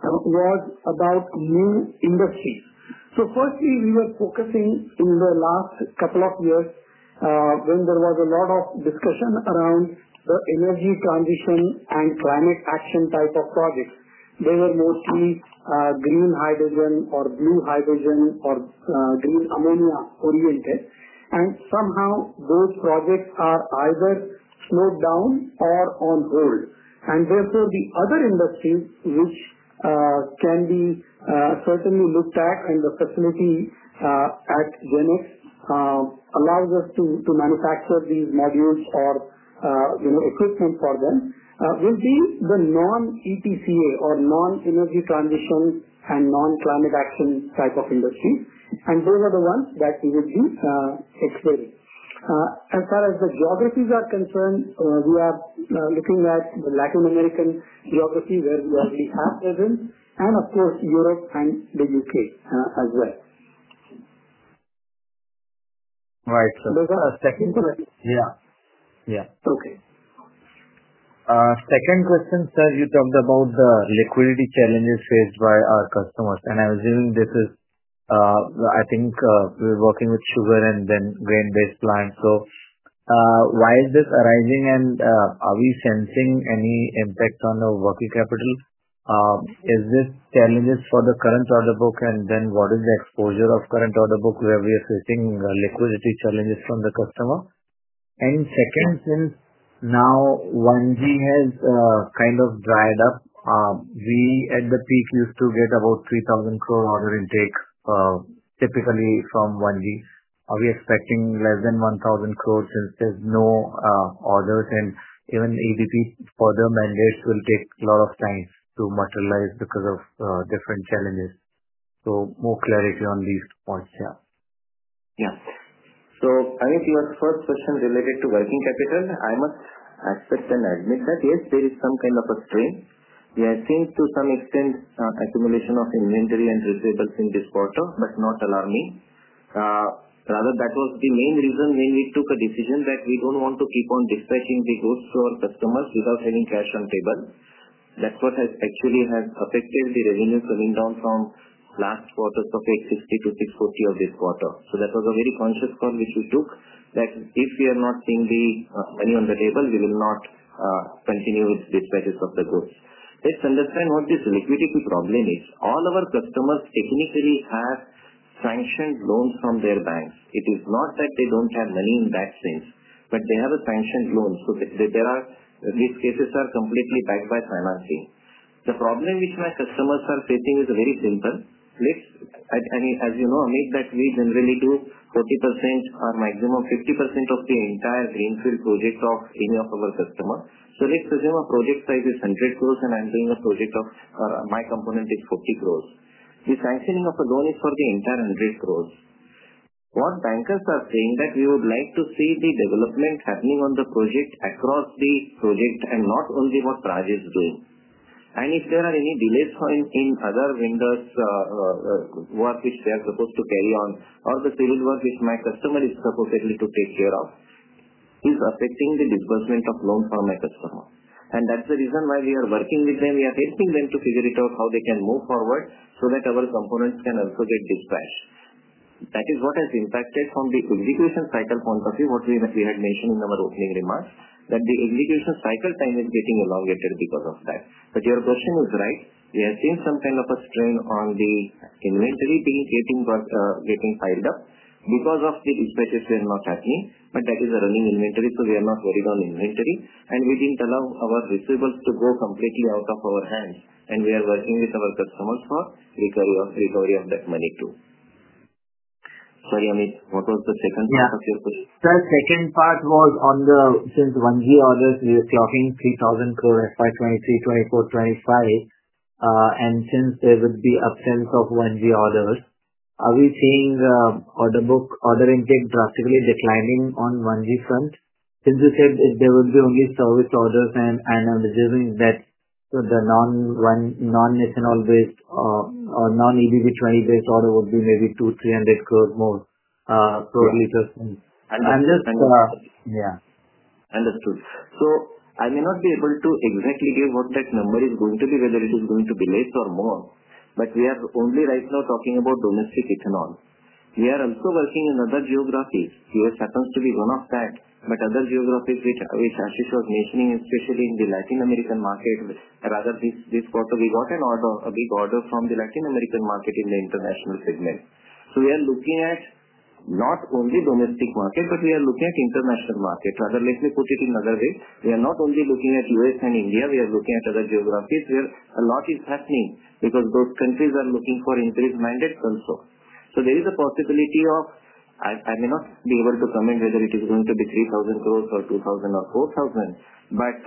was about new industries. Firstly, we were focusing in the last couple of years when there was a lot of discussion around the energy transition and climate action type of projects. They were mostly green hydrogen or blue hydrogen or green ammonia related. Somehow, those projects are either slowed down or on hold. Therefore, the other industry which can be certainly looked at, and the facility at GenX allows us to manufacture these modules or equipment for them, will be the non-ETCA or non-energy transition and non-climate action type of industry. Those are the ones that we will be exploring. As far as the geographies are concerned, we are looking at the Latin American geography where we have a presence, and of course, Europe and the U.K. as well. Right, sir. Those are our second questions. Yeah. Yeah. Okay. Second question, sir. You talked about the liquidity challenges faced by our customers. I assume this is, I think, we're working with sugar and then grain-based plants. Why is this arising? Are we sensing any impact on the working capital? Is this challenges for the current order book? What is the exposure of current order book where we are facing liquidity challenges from the customer? Since now 1G has kind of dried up, we at the peak used to get about 3,000 crore order intake typically from 1G. Are we expecting less than 1,000 crore since there's no orders? Even EDP for the mandates will take a lot of time to materialize because of different challenges. More clarity on these points here. Yes. I think your first question related to working capital, I must first admit that yes, there is some kind of a strain. We are seeing to some extent accumulation of inventory and receivables in this quarter, but not alarming. Rather, that was the main reason when we took a decision that we don't want to keep on dispatching the goods to our customers without having cash on table. That's what has actually affected the revenue coming down from last quarter's topics 60, 50, 40 of this quarter. That was a very conscious call which we took that if we are not seeing the money on the table, we will not continue with dispatches of the goods. Let's understand what this liquidity problem is. All of our customers technically have sanctioned loans from their banks. It is not that they don't have money in that sense, but they have a pension loan. These cases are completely backed by financing. The problem which my customers are facing is very simple. As you know, Amit, we generally do 30% or maximum 50% of the entire greenfield projects of any of our customers. Let's assume a project size is 100 crore and I'm doing a project of my component is 40 crore. The sanctioning of the loan is for the entire 100 crore. What bankers are saying is that we would like to see the development happening on the project across the project and not only what Praj is doing. If there are any delays in other vendors' work which they are supposed to carry on or the civil work which my customer is supposed to take care of, it is affecting the disbursement of loans for my customer. That is the reason why we are working with them. We are helping them to figure it out how they can move forward so that our components can also get dispatched. That is what has impacted from the execution cycle point of view, what we had mentioned in our opening remarks, that the execution cycle time is getting longer because of that. Your question is right. We have seen some kind of a strain on the inventory being getting piled up because of the expectations we are not happening. That is a running inventory, so we are not worried on inventory. We didn't allow our receivables to grow completely out of our hands. We are working with our customers for recovery of that money too. Sorry, Amit. What was the second part of your question? The second part was on the since 1G orders were dropping INR 3,000 crore by 2023, 2024, 2025. Since there would be absence of 1G orders, are we seeing the order book order intake drastically declining on 1G front? Since you said there would be only serviced orders and I'm assuming that the non-ethanol-based or non-EBV-based order would be maybe 200 crore-300 crore more per liter. Understood. Yeah. Understood. I may not be able to exactly give what that number is going to be, whether it is going to be less or more, but we are only right now talking about domestic ethanol. We are also working in other geographies. U.S. happens to be one of that, but other geographies which Ashish was mentioning, especially in the Latin American market. Rather, this quarter, we got an order, a big order from the Latin American market in the international segment. We are looking at not only domestic market, but we are looking at international markets. Rather, let me put it in another way. We are not only looking at U.S. and India. We are looking at other geographies where a lot is happening because both countries are looking for increased mandates also. There is a possibility of I may not be able to comment whether it is going to be 3,000 crore or 3,000 or 4,000, but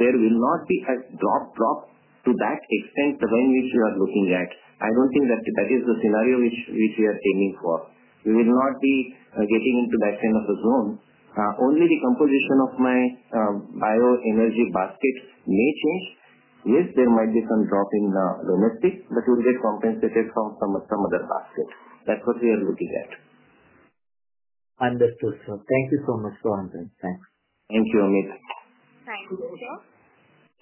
there will not be a drop to that extent when we are looking at. I don't think that that is the scenario which we are aiming for. We will not be getting into that kind of a zone. Only the composition of my bioenergy basket may change. Yes, there might be some drop in domestic, but we will get compensated from some other baskets. That's what we are looking at. Understood, sir. Thank you so much, sir, and thanks. Thank you, Amit. Thank you, sir.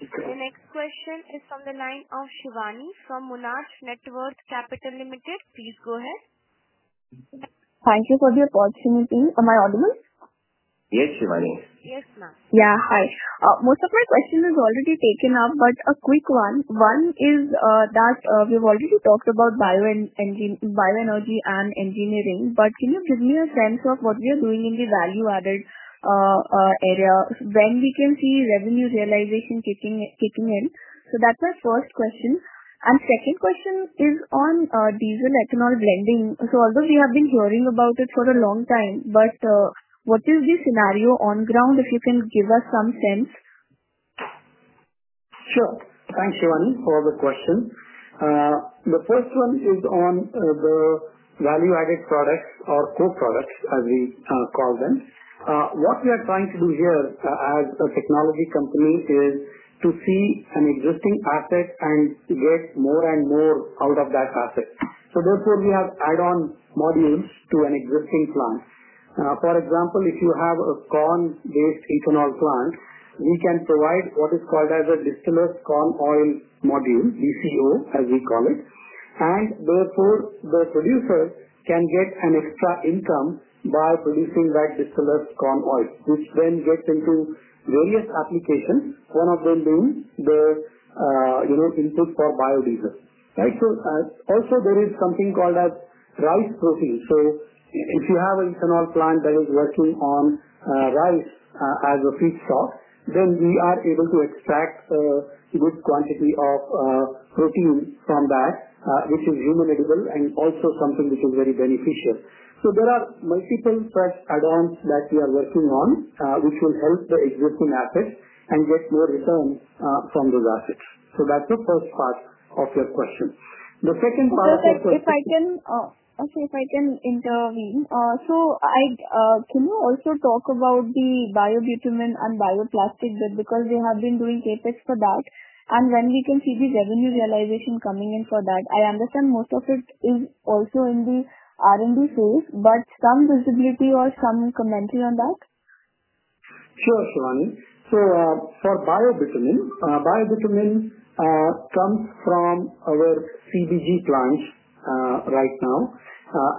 The next question is from the line of Shiwani from Monarch Networth Capital Limited. Please go ahead. Thank you for the opportunity. Am I on the list? Yes, Shiwani. Yes, ma'am. Yeah. Hi. Most of my question is already taken up, but a quick one. One is that we've already talked about bioenergy and engineering, but can you briefly tell us then for what we are doing in the value-added area when we can see revenue realization kicking in? That's my first question. The second question is on diesel ethanol blending. Although we have been hearing about it for a long time, what is the scenario on the ground if you can give us some sense? Sure. Thanks, Shiwani, for the question. The first one is on the value-added products or co-products, as we call them. What we are trying to do here as a technology company is to see an existing asset and to get more and more out of that asset. Therefore, we have add-on modules to an existing plant. For example, if you have a corn-based ethanol plant, we can provide what is called a distillers corn oil module, DCO, as we call it. Therefore, the producer can get an extra income by producing that distillers corn oil, which then gets into various applications, one of them being the input for biodiesel. Right? There is also something called rice protein. If you have an ethanol plant that is working on rice as a feedstock, then we are able to extract a good quantity of protein from that, which is human edible and also something which is very beneficial. There are multiple such add-ons that we are working on, which will help the existing assets and get more return from those assets. That's the first part of your question. The second part. If I can intervene, can you also talk about the bio-bitumen and bioplastics bit because we have been doing KPIs for that? When can we see the revenue realization coming in for that? I understand most of it is also in the R&D phase, but some visibility or some commentary on that? Sure, Shivani. For bio-bitumen, bio-bitumen comes from our CBG plants right now.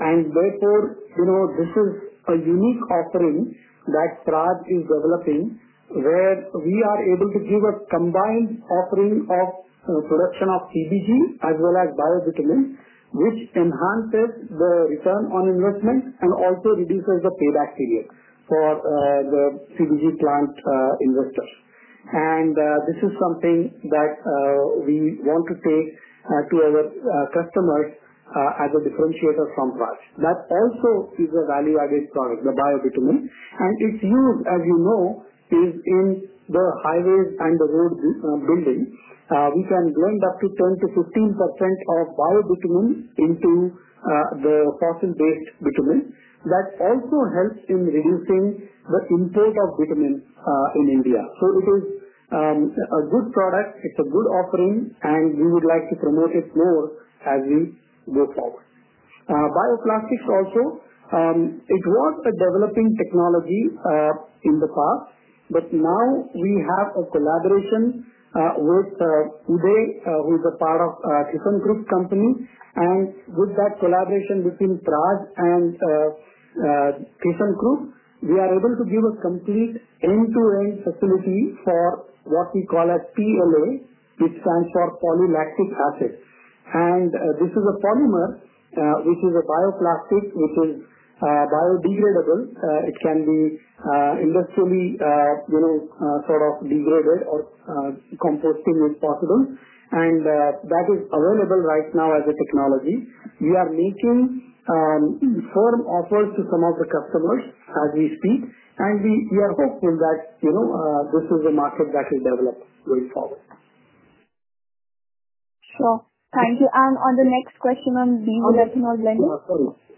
This is a unique offering that Praj is developing where we are able to give a combined offering of production of CBG as well as bio-bitumen, which enhances the return on investments and also reduces the payback period for the CBG plant investors. This is something that we want to give to our customers as a differentiator from Praj. That also is a value-added product, the bio-bitumen. Its use, as you know, is in the highways and the road building. We can blend up to 10%-15% of bio-bitumen into the calcium-based bitumen. That also helps in reducing the intake of bitumen in India. It is a good product. It's a good offering, and we would like to promote it more as we go forward. Bioplastics also, it was a developing technology in the past, but now we have a collaboration with Uday, who is a part of the Cliffton Group company. With that collaboration between Praj and Cliffton Group, we are able to give a complete room-to-range facility for what we call as PLA, which stands for polylactic acid. This is a polymer, which is a bioplastic, which is biodegradable. It can be industrially, you know, sort of degraded or composted if possible. That is available right now as a technology. We are mentioning firm offers to some of the customers as we speak. We are hoping that this is a market that will develop going forward. Thank you. On the next question, on diesel ethanol blending.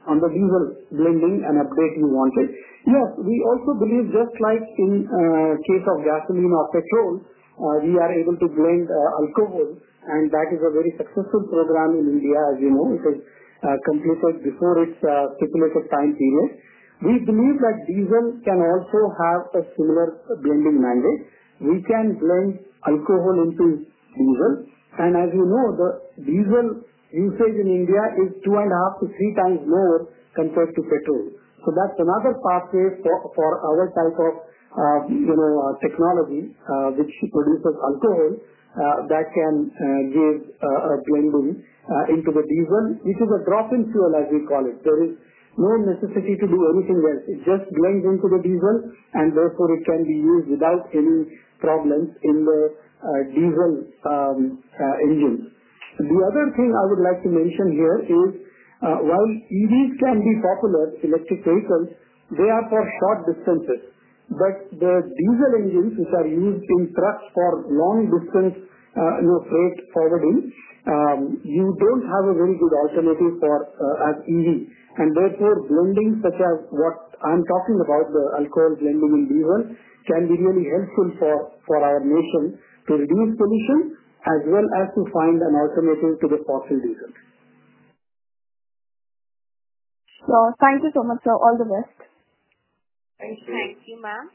On the diesel blending and update you wanted. Yes, we also believe, just like in the case of gasoline or petrol, we are able to blend alcohol. That is a very successful program in India, as you know. It is a company called Bharat Petroleum Corporation Limited. We believe that diesel can also have a similar blending mandate. We can blend alcohol into diesel. As you know, the diesel usage in India is two and a half to three times more compared to petrol. That's another pathway for other types of technology, which produces alcohol that can use a blending into the diesel. This is a drop-in fuel, as we call it. There is no necessity to do anything with it. It just blends into the diesel, and therefore, it can be used without any problems in the diesel engine. The other thing I would like to mention here is, while EVs can be popular, electric vehicles, they are for short distances. The diesel engines, which are used to instruct for long-distance freight, you don't have a very good alternative for as EV. Therefore, blending such as what I'm talking about, the alcohol blending in diesel, can be really helpful for our nation to reduce pollution as well as to find an alternative to the fossil diesel. Thank you so much, sir. All the best. Thank you, ma'am.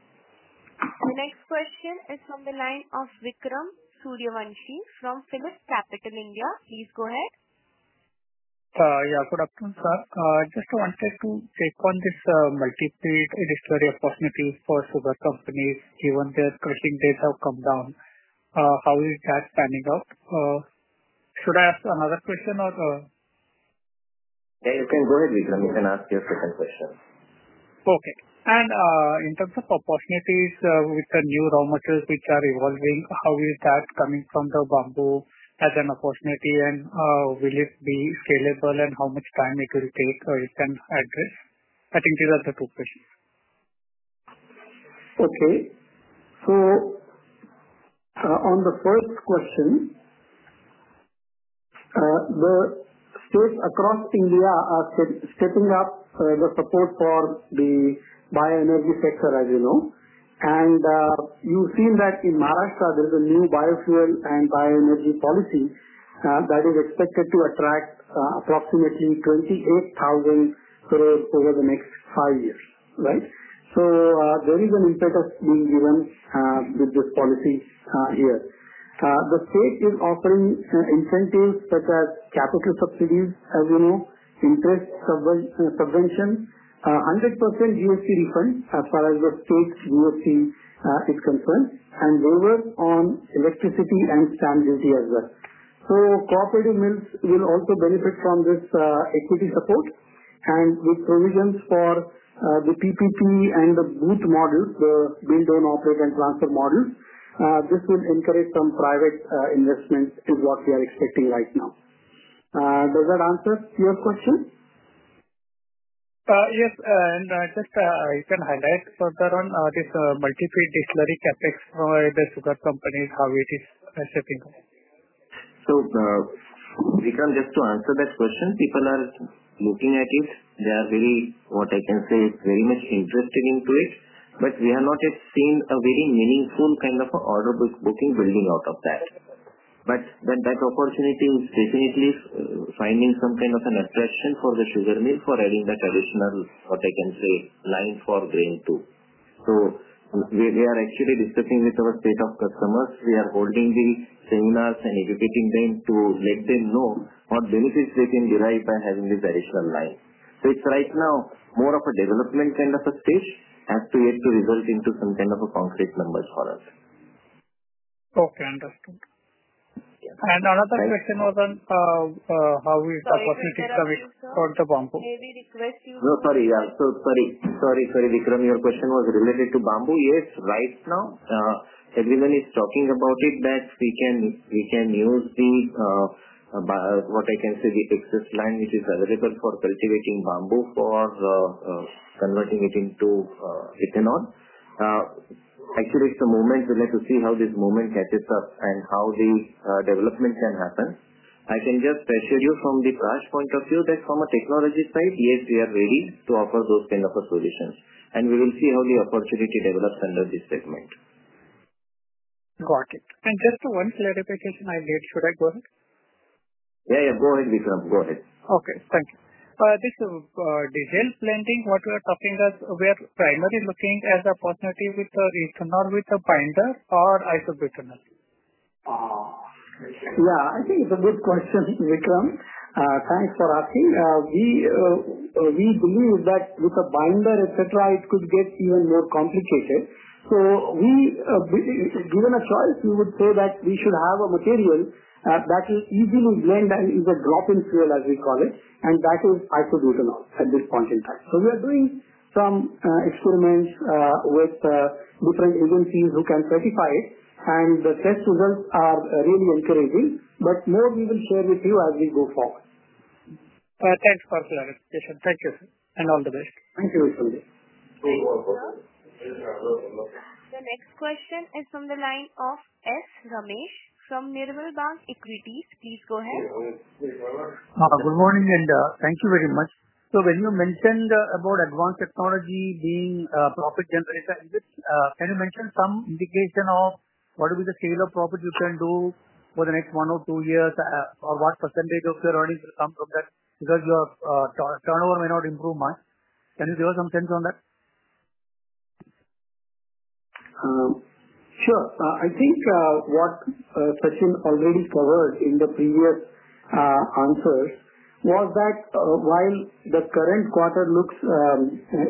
Our next question is from the line of Vikram Suryavanshi from Philips Capital India. Please go ahead. Good afternoon, sir. Just wanted to check on this multiple disparity opportunities for other companies, given their pricing rates have come down. How is that standing up? Should I ask another question? Yeah, you can go ahead, Vikram. You can ask your second question. Okay. In terms of opportunities with the new raw materials which are evolving, how is that coming from the bamboo as an opportunity? Will it be scalable? How much time will it take to extend at this? I think these are the two questions. On the first question, the states across India are stepping up the support for the bioenergy sector, as you know. You've seen that in Maharashtra, there's a new biofuel and bioenergy policy that is expected to attract approximately 20,000 crore over the next five years. There is an incentive being given with this policy here. The state is offering incentives such as capital subsidies, interest subvention, 100% USD refund as far as the state's USD is concerned, and those are on electricity and stamp duty as well. Cooperative mills will also benefit from this equity support. With provisions for the PPP and the BOOT model, the build, own, operate, and transfer model, this will encourage some private investments to what we are expecting right now. Does that answer your question? Yes. Can you highlight further on this multi-free dictionary CapEx for the sugar companies, how it is setting up. Vikram, just to answer that question, people are looking at it. They are very, what I can say, very much interested into it. We have not yet seen a very meaningful kind of an order booking building out of that. That opportunity is definitely finding some kind of an attraction for the sugar mill for having that additional, what I can say, line for grain too. We are actually discussing with our state of customers. We are holding the seminars and educating them to let them know what benefits they can derive by having this additional line. It's right now more of a development kind of a stage as to yet to result into some kind of a concrete numbers for us. Okay. Understood. Another question was on how is opportunity coming on the bamboo. May we request you? Sorry. Yeah. Sorry, Vikram. Your question was related to bamboo. Yes, right now, everyone is talking about it, that we can use the, what I can say, the excess land which is available for cultivating bamboo for converting it into ethanol. Actually, at the moment, we'd like to see how this moment catches up and how the development can happen. I can just assure you from the Praj point of view that from a technology side, yes, we are ready to offer those kinds of solutions. We will see how the opportunity develops under this segment. Got it. Just one clarification I made. Should I go ahead? Yeah, go ahead, Vikram. Go ahead. Okay. Thank you. This diesel blending, what you are talking about, we are primarily looking as an opportunity with ethanol with a binder or isobutene? Yeah, I think it's a good question, Vikram. Thanks for asking. We believe that with a binder, etc., it could get even more complicated. Given a choice, we would say that we should have a material that is easy to blend and is a drop-in fuel, as we call it, and that is isobutene at this point in time. We are doing some experiments with different agencies who can certify it. The test results are really encouraging, but more we will share with you as we go forward. Thanks for clarification. Thank you, sir, and all the best. Thank you. Thank you all. The next question is from the line of Ramesh from Nirmal Bang Equities. Please go ahead. Good morning and thank you very much. When you mentioned about advanced technology being a profit generator, can you mention some indication of what would be the scale of profit you can do over the next one or two years or what percentage of your earnings will come from that? Because your turnover may not improve much. Can you give us some sense on that? Sure. I think what Pramod already covered in the previous answers was that while the current quarter looks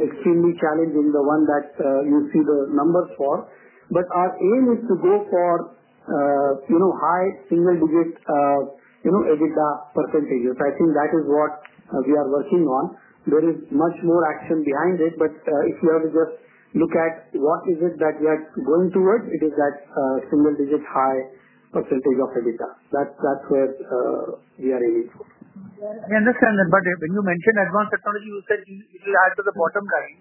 extremely challenging, the one that you see the numbers for, our aim is to go for high single-digit EBITDA percentages. I think that is what we are working on. There is much more action behind it, but if we are to just look at what is it that we are going towards, it is that single-digit high ppercen of EBITDA. That's where we are aiming for. We understand that, but when you mentioned advanced technology, you said it will add to the bottom line.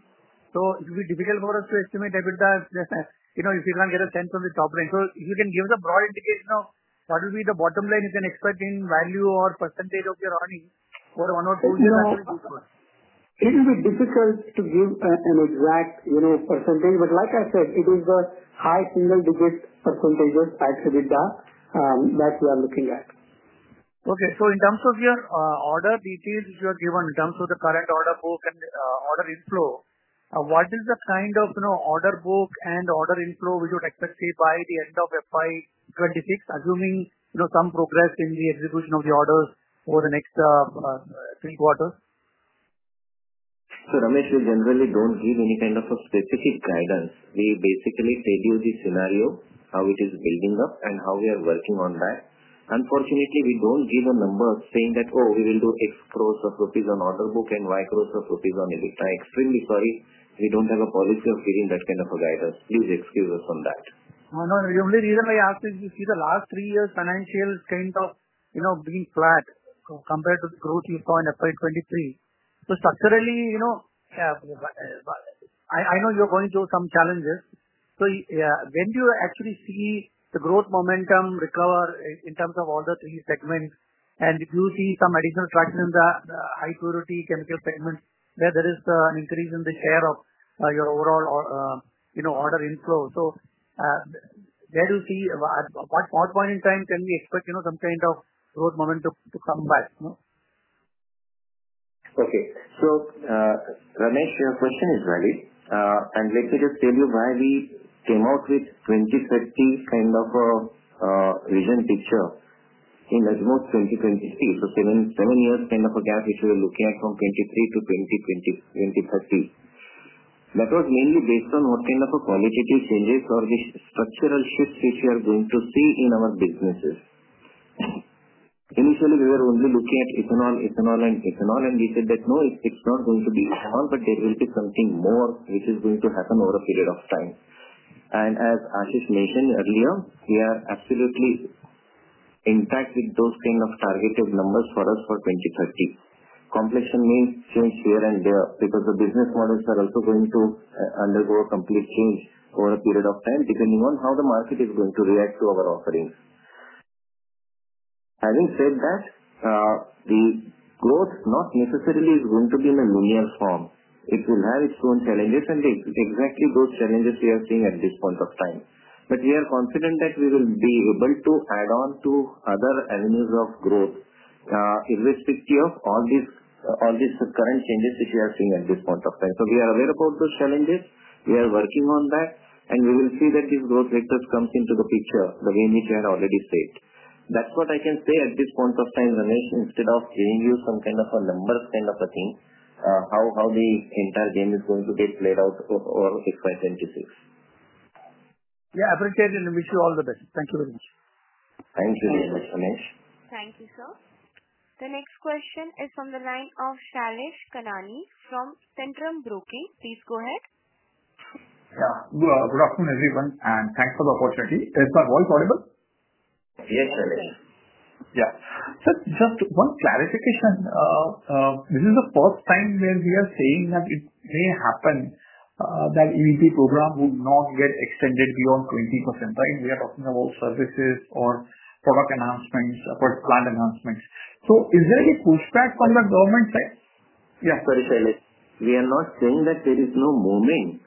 It will be difficult for us to estimate EBITDA. If you can't get a sense from the top range, you can give the broad indication of what would be the bottom line you can expect in value or percentage of your earnings for one or two years after you go forward. It will be difficult to give an exact percentage, but like I said, it is the high single-digit percentages of EBITDA that we are looking at. Okay. In terms of your order details which you have given in terms of the current order book and order inflow, what is the kind of order book and order inflow which you would expect to see by the end of FY2026, assuming some progress in the execution of the orders over the next three quarters? Ramesh, we generally don't give any kind of a specific guidance. We basically tell you the scenario, how it is building up, and how we are working on that. Unfortunately, we don't give a number saying that, "Oh, we will do X crores of rupees on order book and Y crores of rupees on EBITDA." Extremely sorry. We don't have a policy of giving that kind of a guidance. Please excuse us on that. The only reason I asked is you see the last three years' financials kind of, you know, being flat compared to the growth you saw in FY2023. Structurally, you know, I know you're going through some challenges. When do you actually see the growth momentum recur in terms of all the three segments? If you see some additional traction in the high-purity chemical segments, where there is an increase in the share of your overall, you know, order inflow, where do you see at what point in time can we expect, you know, some kind of growth momentum to come back? Okay. Ramesh, your question is valid. Let me just tell you why we came out with 2030 kind of a vision picture in the most 2020 space. Seven years' kind of a gap issue we're looking at from 2023 to 2030. That was mainly based on what kind of qualitative changes or the structural shifts which we are going to see in our businesses. Initially, we were only looking at ethanol and ethanol, and we said that, "No, it's not going to be ethanol, but there will be something more which is going to happen over a period of time." As Ashish mentioned earlier, we are absolutely intact with those kind of targeted numbers for us for 2030. Completion means since here and there because the business models are also going to undergo a complete change over a period of time depending on how the market is going to react to our offerings. Having said that, the growth not necessarily is going to be in a linear form. It will have its own challenges, and exactly those challenges we are seeing at this point of time. We are confident that we will be able to add on to other avenues of growth, irrespective of all these current changes which we are seeing at this point of time. We are aware about those challenges. We are working on that. We will see that these growth vectors come into the picture, the way in which we had already said. That's what I can say at this point of time, Ramesh, instead of giving you some kind of numbers kind of a thing, how the entire game is going to get played out or its hypotheses. Yeah, I appreciate it and wish you all the best. Thank you very much. Thank you very much, Ramesh. Thank you, sir. The next question is from the line of Shailesh Kanani from Centrum Broking. Please go ahead. Good afternoon, everyone, and thanks for the opportunity. Is my voice audible? Yes, sir. Yeah, just one clarification. This is the first time where we are saying that it may happen that EVP program would not get extended beyond 20% price. We are talking about services or product announcements, product plant announcements. Is there any pushback from the government side? Yeah, very fairly. We are not saying that there is no movement.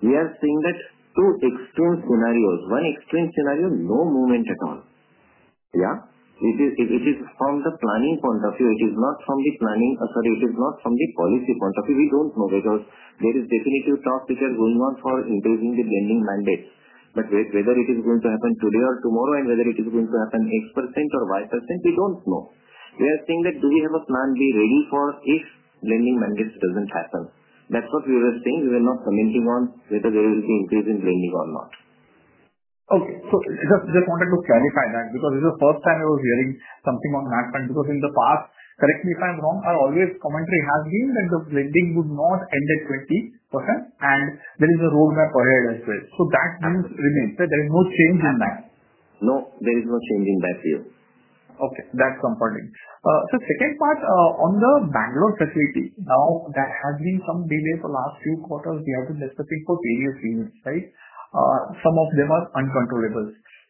We are saying that through extreme scenarios, one extreme scenario, no movement at all. It is from the planning point of view. It is not from the policy point of view. We don't know whether there is definitive talk which is going on for improving the blending mandates. Whether it is going to happen today or tomorrow and whether it is going to happen X% or Y%, we don't know. We are saying that we have a plan B ready for if blending mandates doesn't happen. That's what we were saying. We were not commenting on whether there is an increase in blending or not. Okay. Just want to verify. That is the first time I was hearing something on that front because in the past, correct me if I'm wrong, our earliest commentary has been that the blending would not end at 20% and there is a rollback already as well. That means, Rinir, that there is no change in that. No, there is no change in that year. Okay, that's comforting. The second part, on the Bangalore facility. There has been some delay for the last few quarters. We have been discussing for various reasons, right? Some of them are uncontrollable.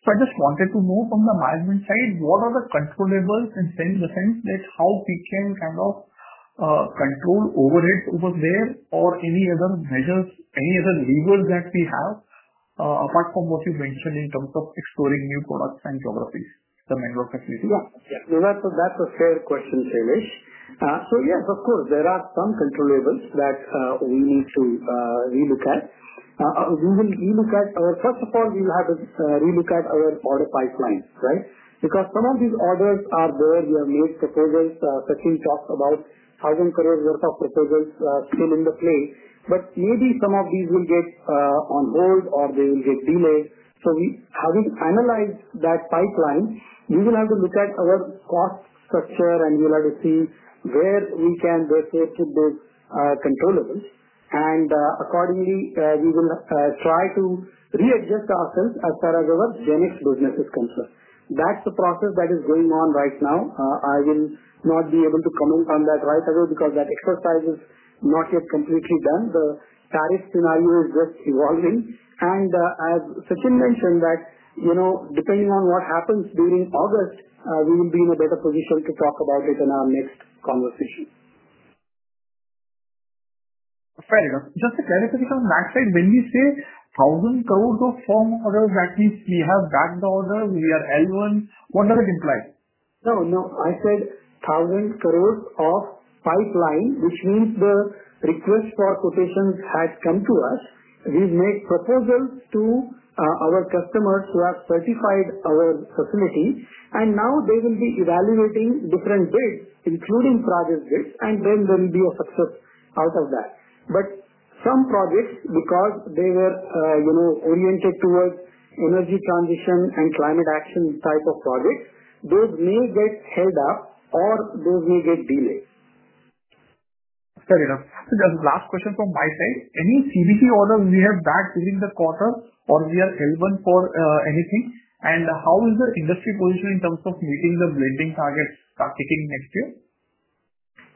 I just wanted to know from the management side, what are the controllables in the sense that how we can kind of control over it over there or any other measures, any other levers that we have, apart from what you mentioned in terms of exploring new products and geographies? Yeah, that's a fair question, Sesh. Yes, of course, there are some controllables that we need to relook at. We will relook at, or first of all, we will have a relook at our order pipelines, right? Because some of these orders are there. We have made proposals. Sachin talked about having a curve worth of proposals still in the play. Maybe some of these will get on hold or they will get delayed. We have to analyze that pipeline. We will have to look at our cost structure and we will have to see where we can perceive to be controllable. Accordingly, we will try to readjust ourselves as far as our Zenith business is concerned. That's the process that is going on right now. I will not be able to comment on that right away because that exercise is not yet completely done. The tariff scenario is just evolving. As Sachin mentioned, depending on what happens during August, we will be in a better position to talk about it in our next conversation. Fair enough. Just to clarify from that side, when you say thousand crores of firm orders, that means we have that order, we are L1, what does it imply? No, no, I said thousand curves of pipeline, which means the request for quotations has come to us. We've made proposals to our customers who have certified our facility. Now they will be evaluating different bids, including project bids, and there will be a success out of that. Some projects, because they were oriented towards energy transition and climate action type of projects, may get sold out or may get delayed. Fair enough. Just last question from my side. Any compressed biogas orders we have bagged during the quarter or are we L1 for anything? How is the industry position in terms of meeting the blending target packaging next year?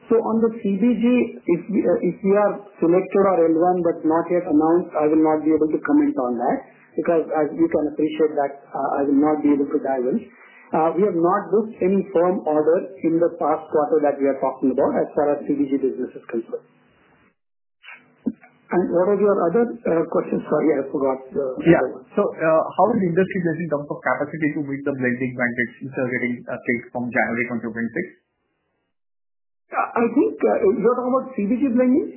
the compressed biogas (CBG), if we are selected or L1 but not yet announced, I will not be able to comment on that because, as you can appreciate, I will not be able to dive. We have not booked any firm orders in the past quarter that we are talking about as far as CBG business is concerned. What are your other questions? Sorry, I forgot. How is the industry in terms of capacity to meet the blending benefits you are getting from January 2026? Yeah, I think you're talking about compressed biogas blending?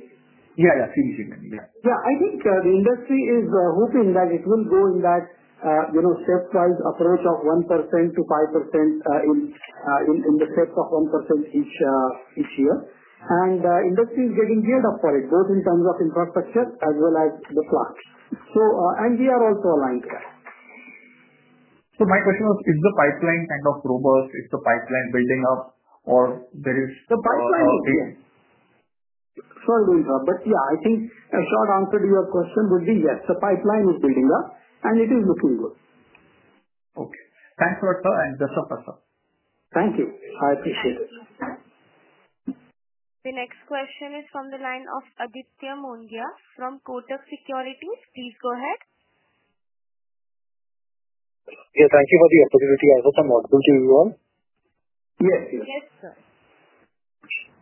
Yeah, yeah, compressed biogas blending. Yeah, I think the industry is hoping that it will go in that step-wise approach of 1%-5% in the steps of 1% each year. The industry is getting yield off for it, both in terms of infrastructure as well as the plant. We are also aligned here. My question was, is the pipeline kind of robust? Is the pipeline building up or is there? The pipeline is building. I think a short answer to your question would be yes, the pipeline is building up and it is looking good. Okay, thanks for your time and best of luck. Thank you. I appreciate it. The next question is from the line of Aditya Mongia from Kotak Securities. Please go ahead. Thank you for the opportunity. I hope I'm not too long. Yes, yes, sir.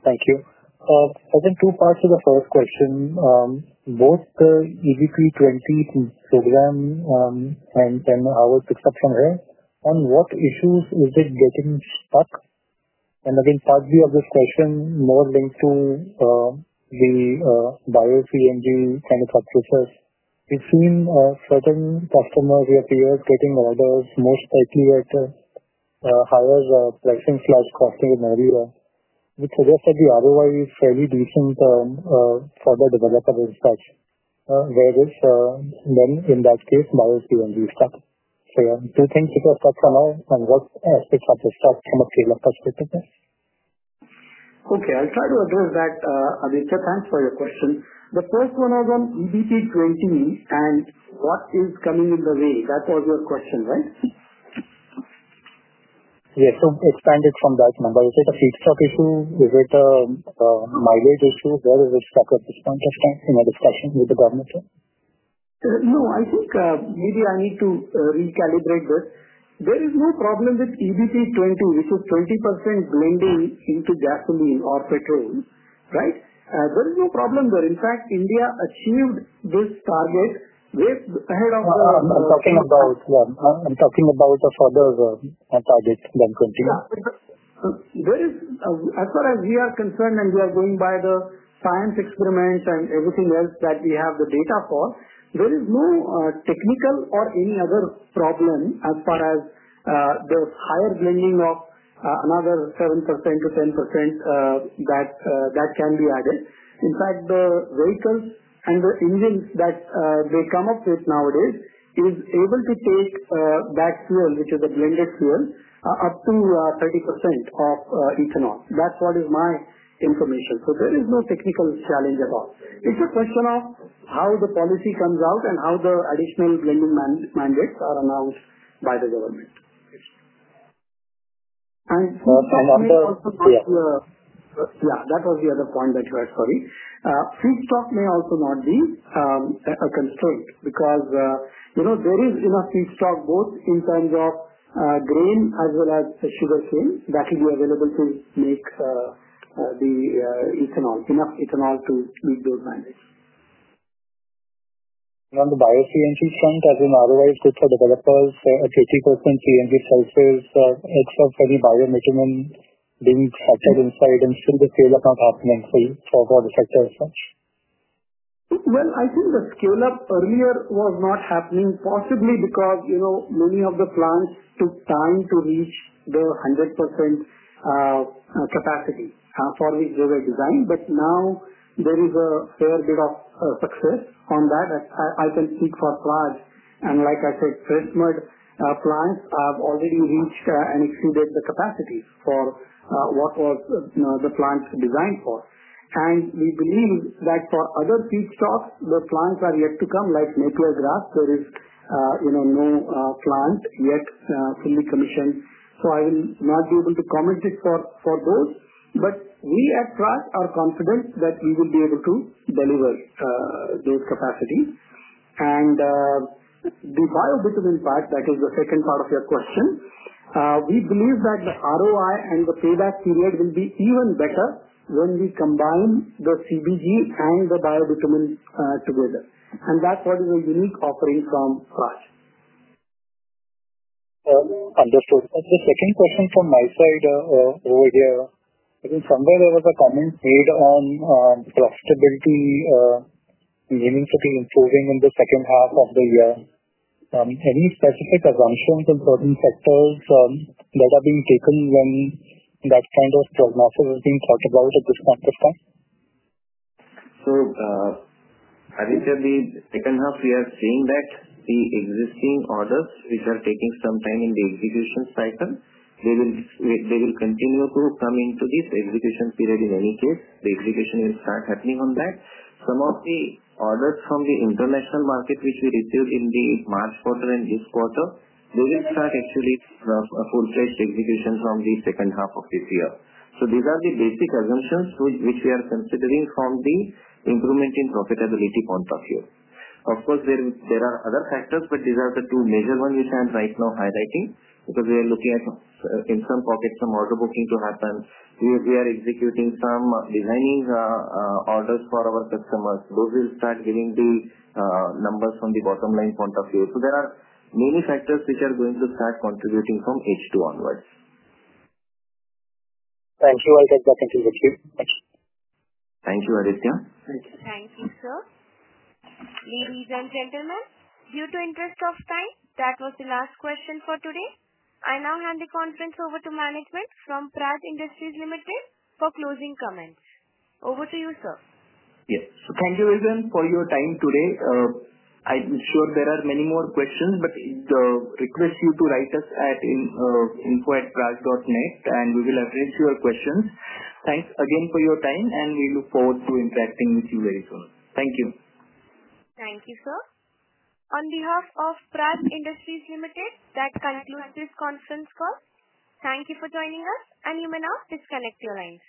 Thank you. I think two parts to the first question. Both the E20 program, and then our pickup from there, on what issues is it getting stuck? Partly of this question more links to the compressed biogas kind of process. Between certain customers, we are clear getting orders most likely at higher pricing, slightly crossing an area which would also be otherwise fairly decent for the developer and such. In that case, compressed biogas is stuck. Two things which are stuck for now and what aspects are just stuck from a developer's perspective? Okay, I'll try to address that, Aditya. Thanks for your question. The first one of them, E20, and what is coming in the way? That was your question, right? Yes, expand it from that number. Is it a feedstock issue? Is it a mileage issue? Where is it? Is that the point in the discussion with the government? No, I think maybe I need to recalibrate this. There is no problem with E20, which is 20% blending into gasoline or petrol, right? There is no problem there. In fact, India achieved this target. We're ahead of the talking about one. I'm talking about the further targets than 20. As far as we are concerned, and we are going by the science experiment and everything else that we have the data for, there is no technical or any other problem as far as the higher blending of another 7%-10% that can be added. In fact, the vehicle and the engines that they come up with nowadays are able to take that fuel, which is the blended fuel, up to 30% of ethanol. That's what is my information. There is no technical challenge at all. It's a question of how the policy comes out and how the additional blending mandates are announced by the government. Thanks. Yeah, that was the other point that you asked, sorry. Feedstock may also not be a concern because, you know, there is enough feedstock both in terms of grain as well as extra fuel that will be available to make the ethanol, enough ethanol to meet those mandates. On the compressed biogas front, as in otherwise good for developers, a 20% CNG sales are export for the biomaterial, they need support inside and should the scale-up not happen and say for the sector itself? I think the scale-up earlier was not happening, possibly because, you know, many of the plants took time to reach their 100% capacity for which they were designed. There is a fair bit of success on that. As I can speak for Praj, and like I said, FredMud plants have already reached and exceeded the capacities for what the plant was designed for. We believe that for other feedstocks, the plants are yet to come, like NatureGraph, there is, you know, no plant yet in the commission. I will not be able to comment this for gold. We at Praj are confident that we would be able to deliver those capacities. The biometry impact, that was the second part of your question. We believe that the ROI and the payback period will be even better when we combine the CBG and the biometry together. That's what is a unique offering from Praj. Understood. I think the second question from my side, over here, I think somewhere there was a comment made on profitability, meaning shipping and soldiering in the second half of the year. Any specific assumptions and certain software that are being taken when that kind of prognosis is being thought about at this point in time? Sure. Aditya, the second half, we are seeing that the existing orders, which are taking some time in the execution cycle, will continue to come into the execution period in early June. The execution will start happening on that. Some of the orders from the international market, which we received in the March quarter and this quarter, will actually start to have a full-fledged execution from the second half of this year. These are the basic assumptions which we are considering from the improvement in profitability point of view. Of course, there are other factors, but these are the two major ones which I am right now highlighting because we are looking at, in some pockets, some order booking to happen. We are executing some designing orders for our customers. Those will start giving the numbers from the bottom line point of view. There are many factors which are going to start contributing from H2 onwards. Thank you all. Thank you, Aditya. Thank you, sir. Ladies and gentlemen, due to interest of time, that was the last question for today. I now hand the conference over to management from Praj Industries Limited for closing comments. Over to you, sir. Yes, thank you again for your time today. I'm sure there are many more questions, but I request you to write us at info@praj.net, and we will assess your questions. Thanks again for your time, and we look forward to interacting with you very soon. Thank you. Thank you, sir. On behalf of Praj Industries Limited, that concludes this conference call. Thank you for joining us, and you may now disconnect your lines.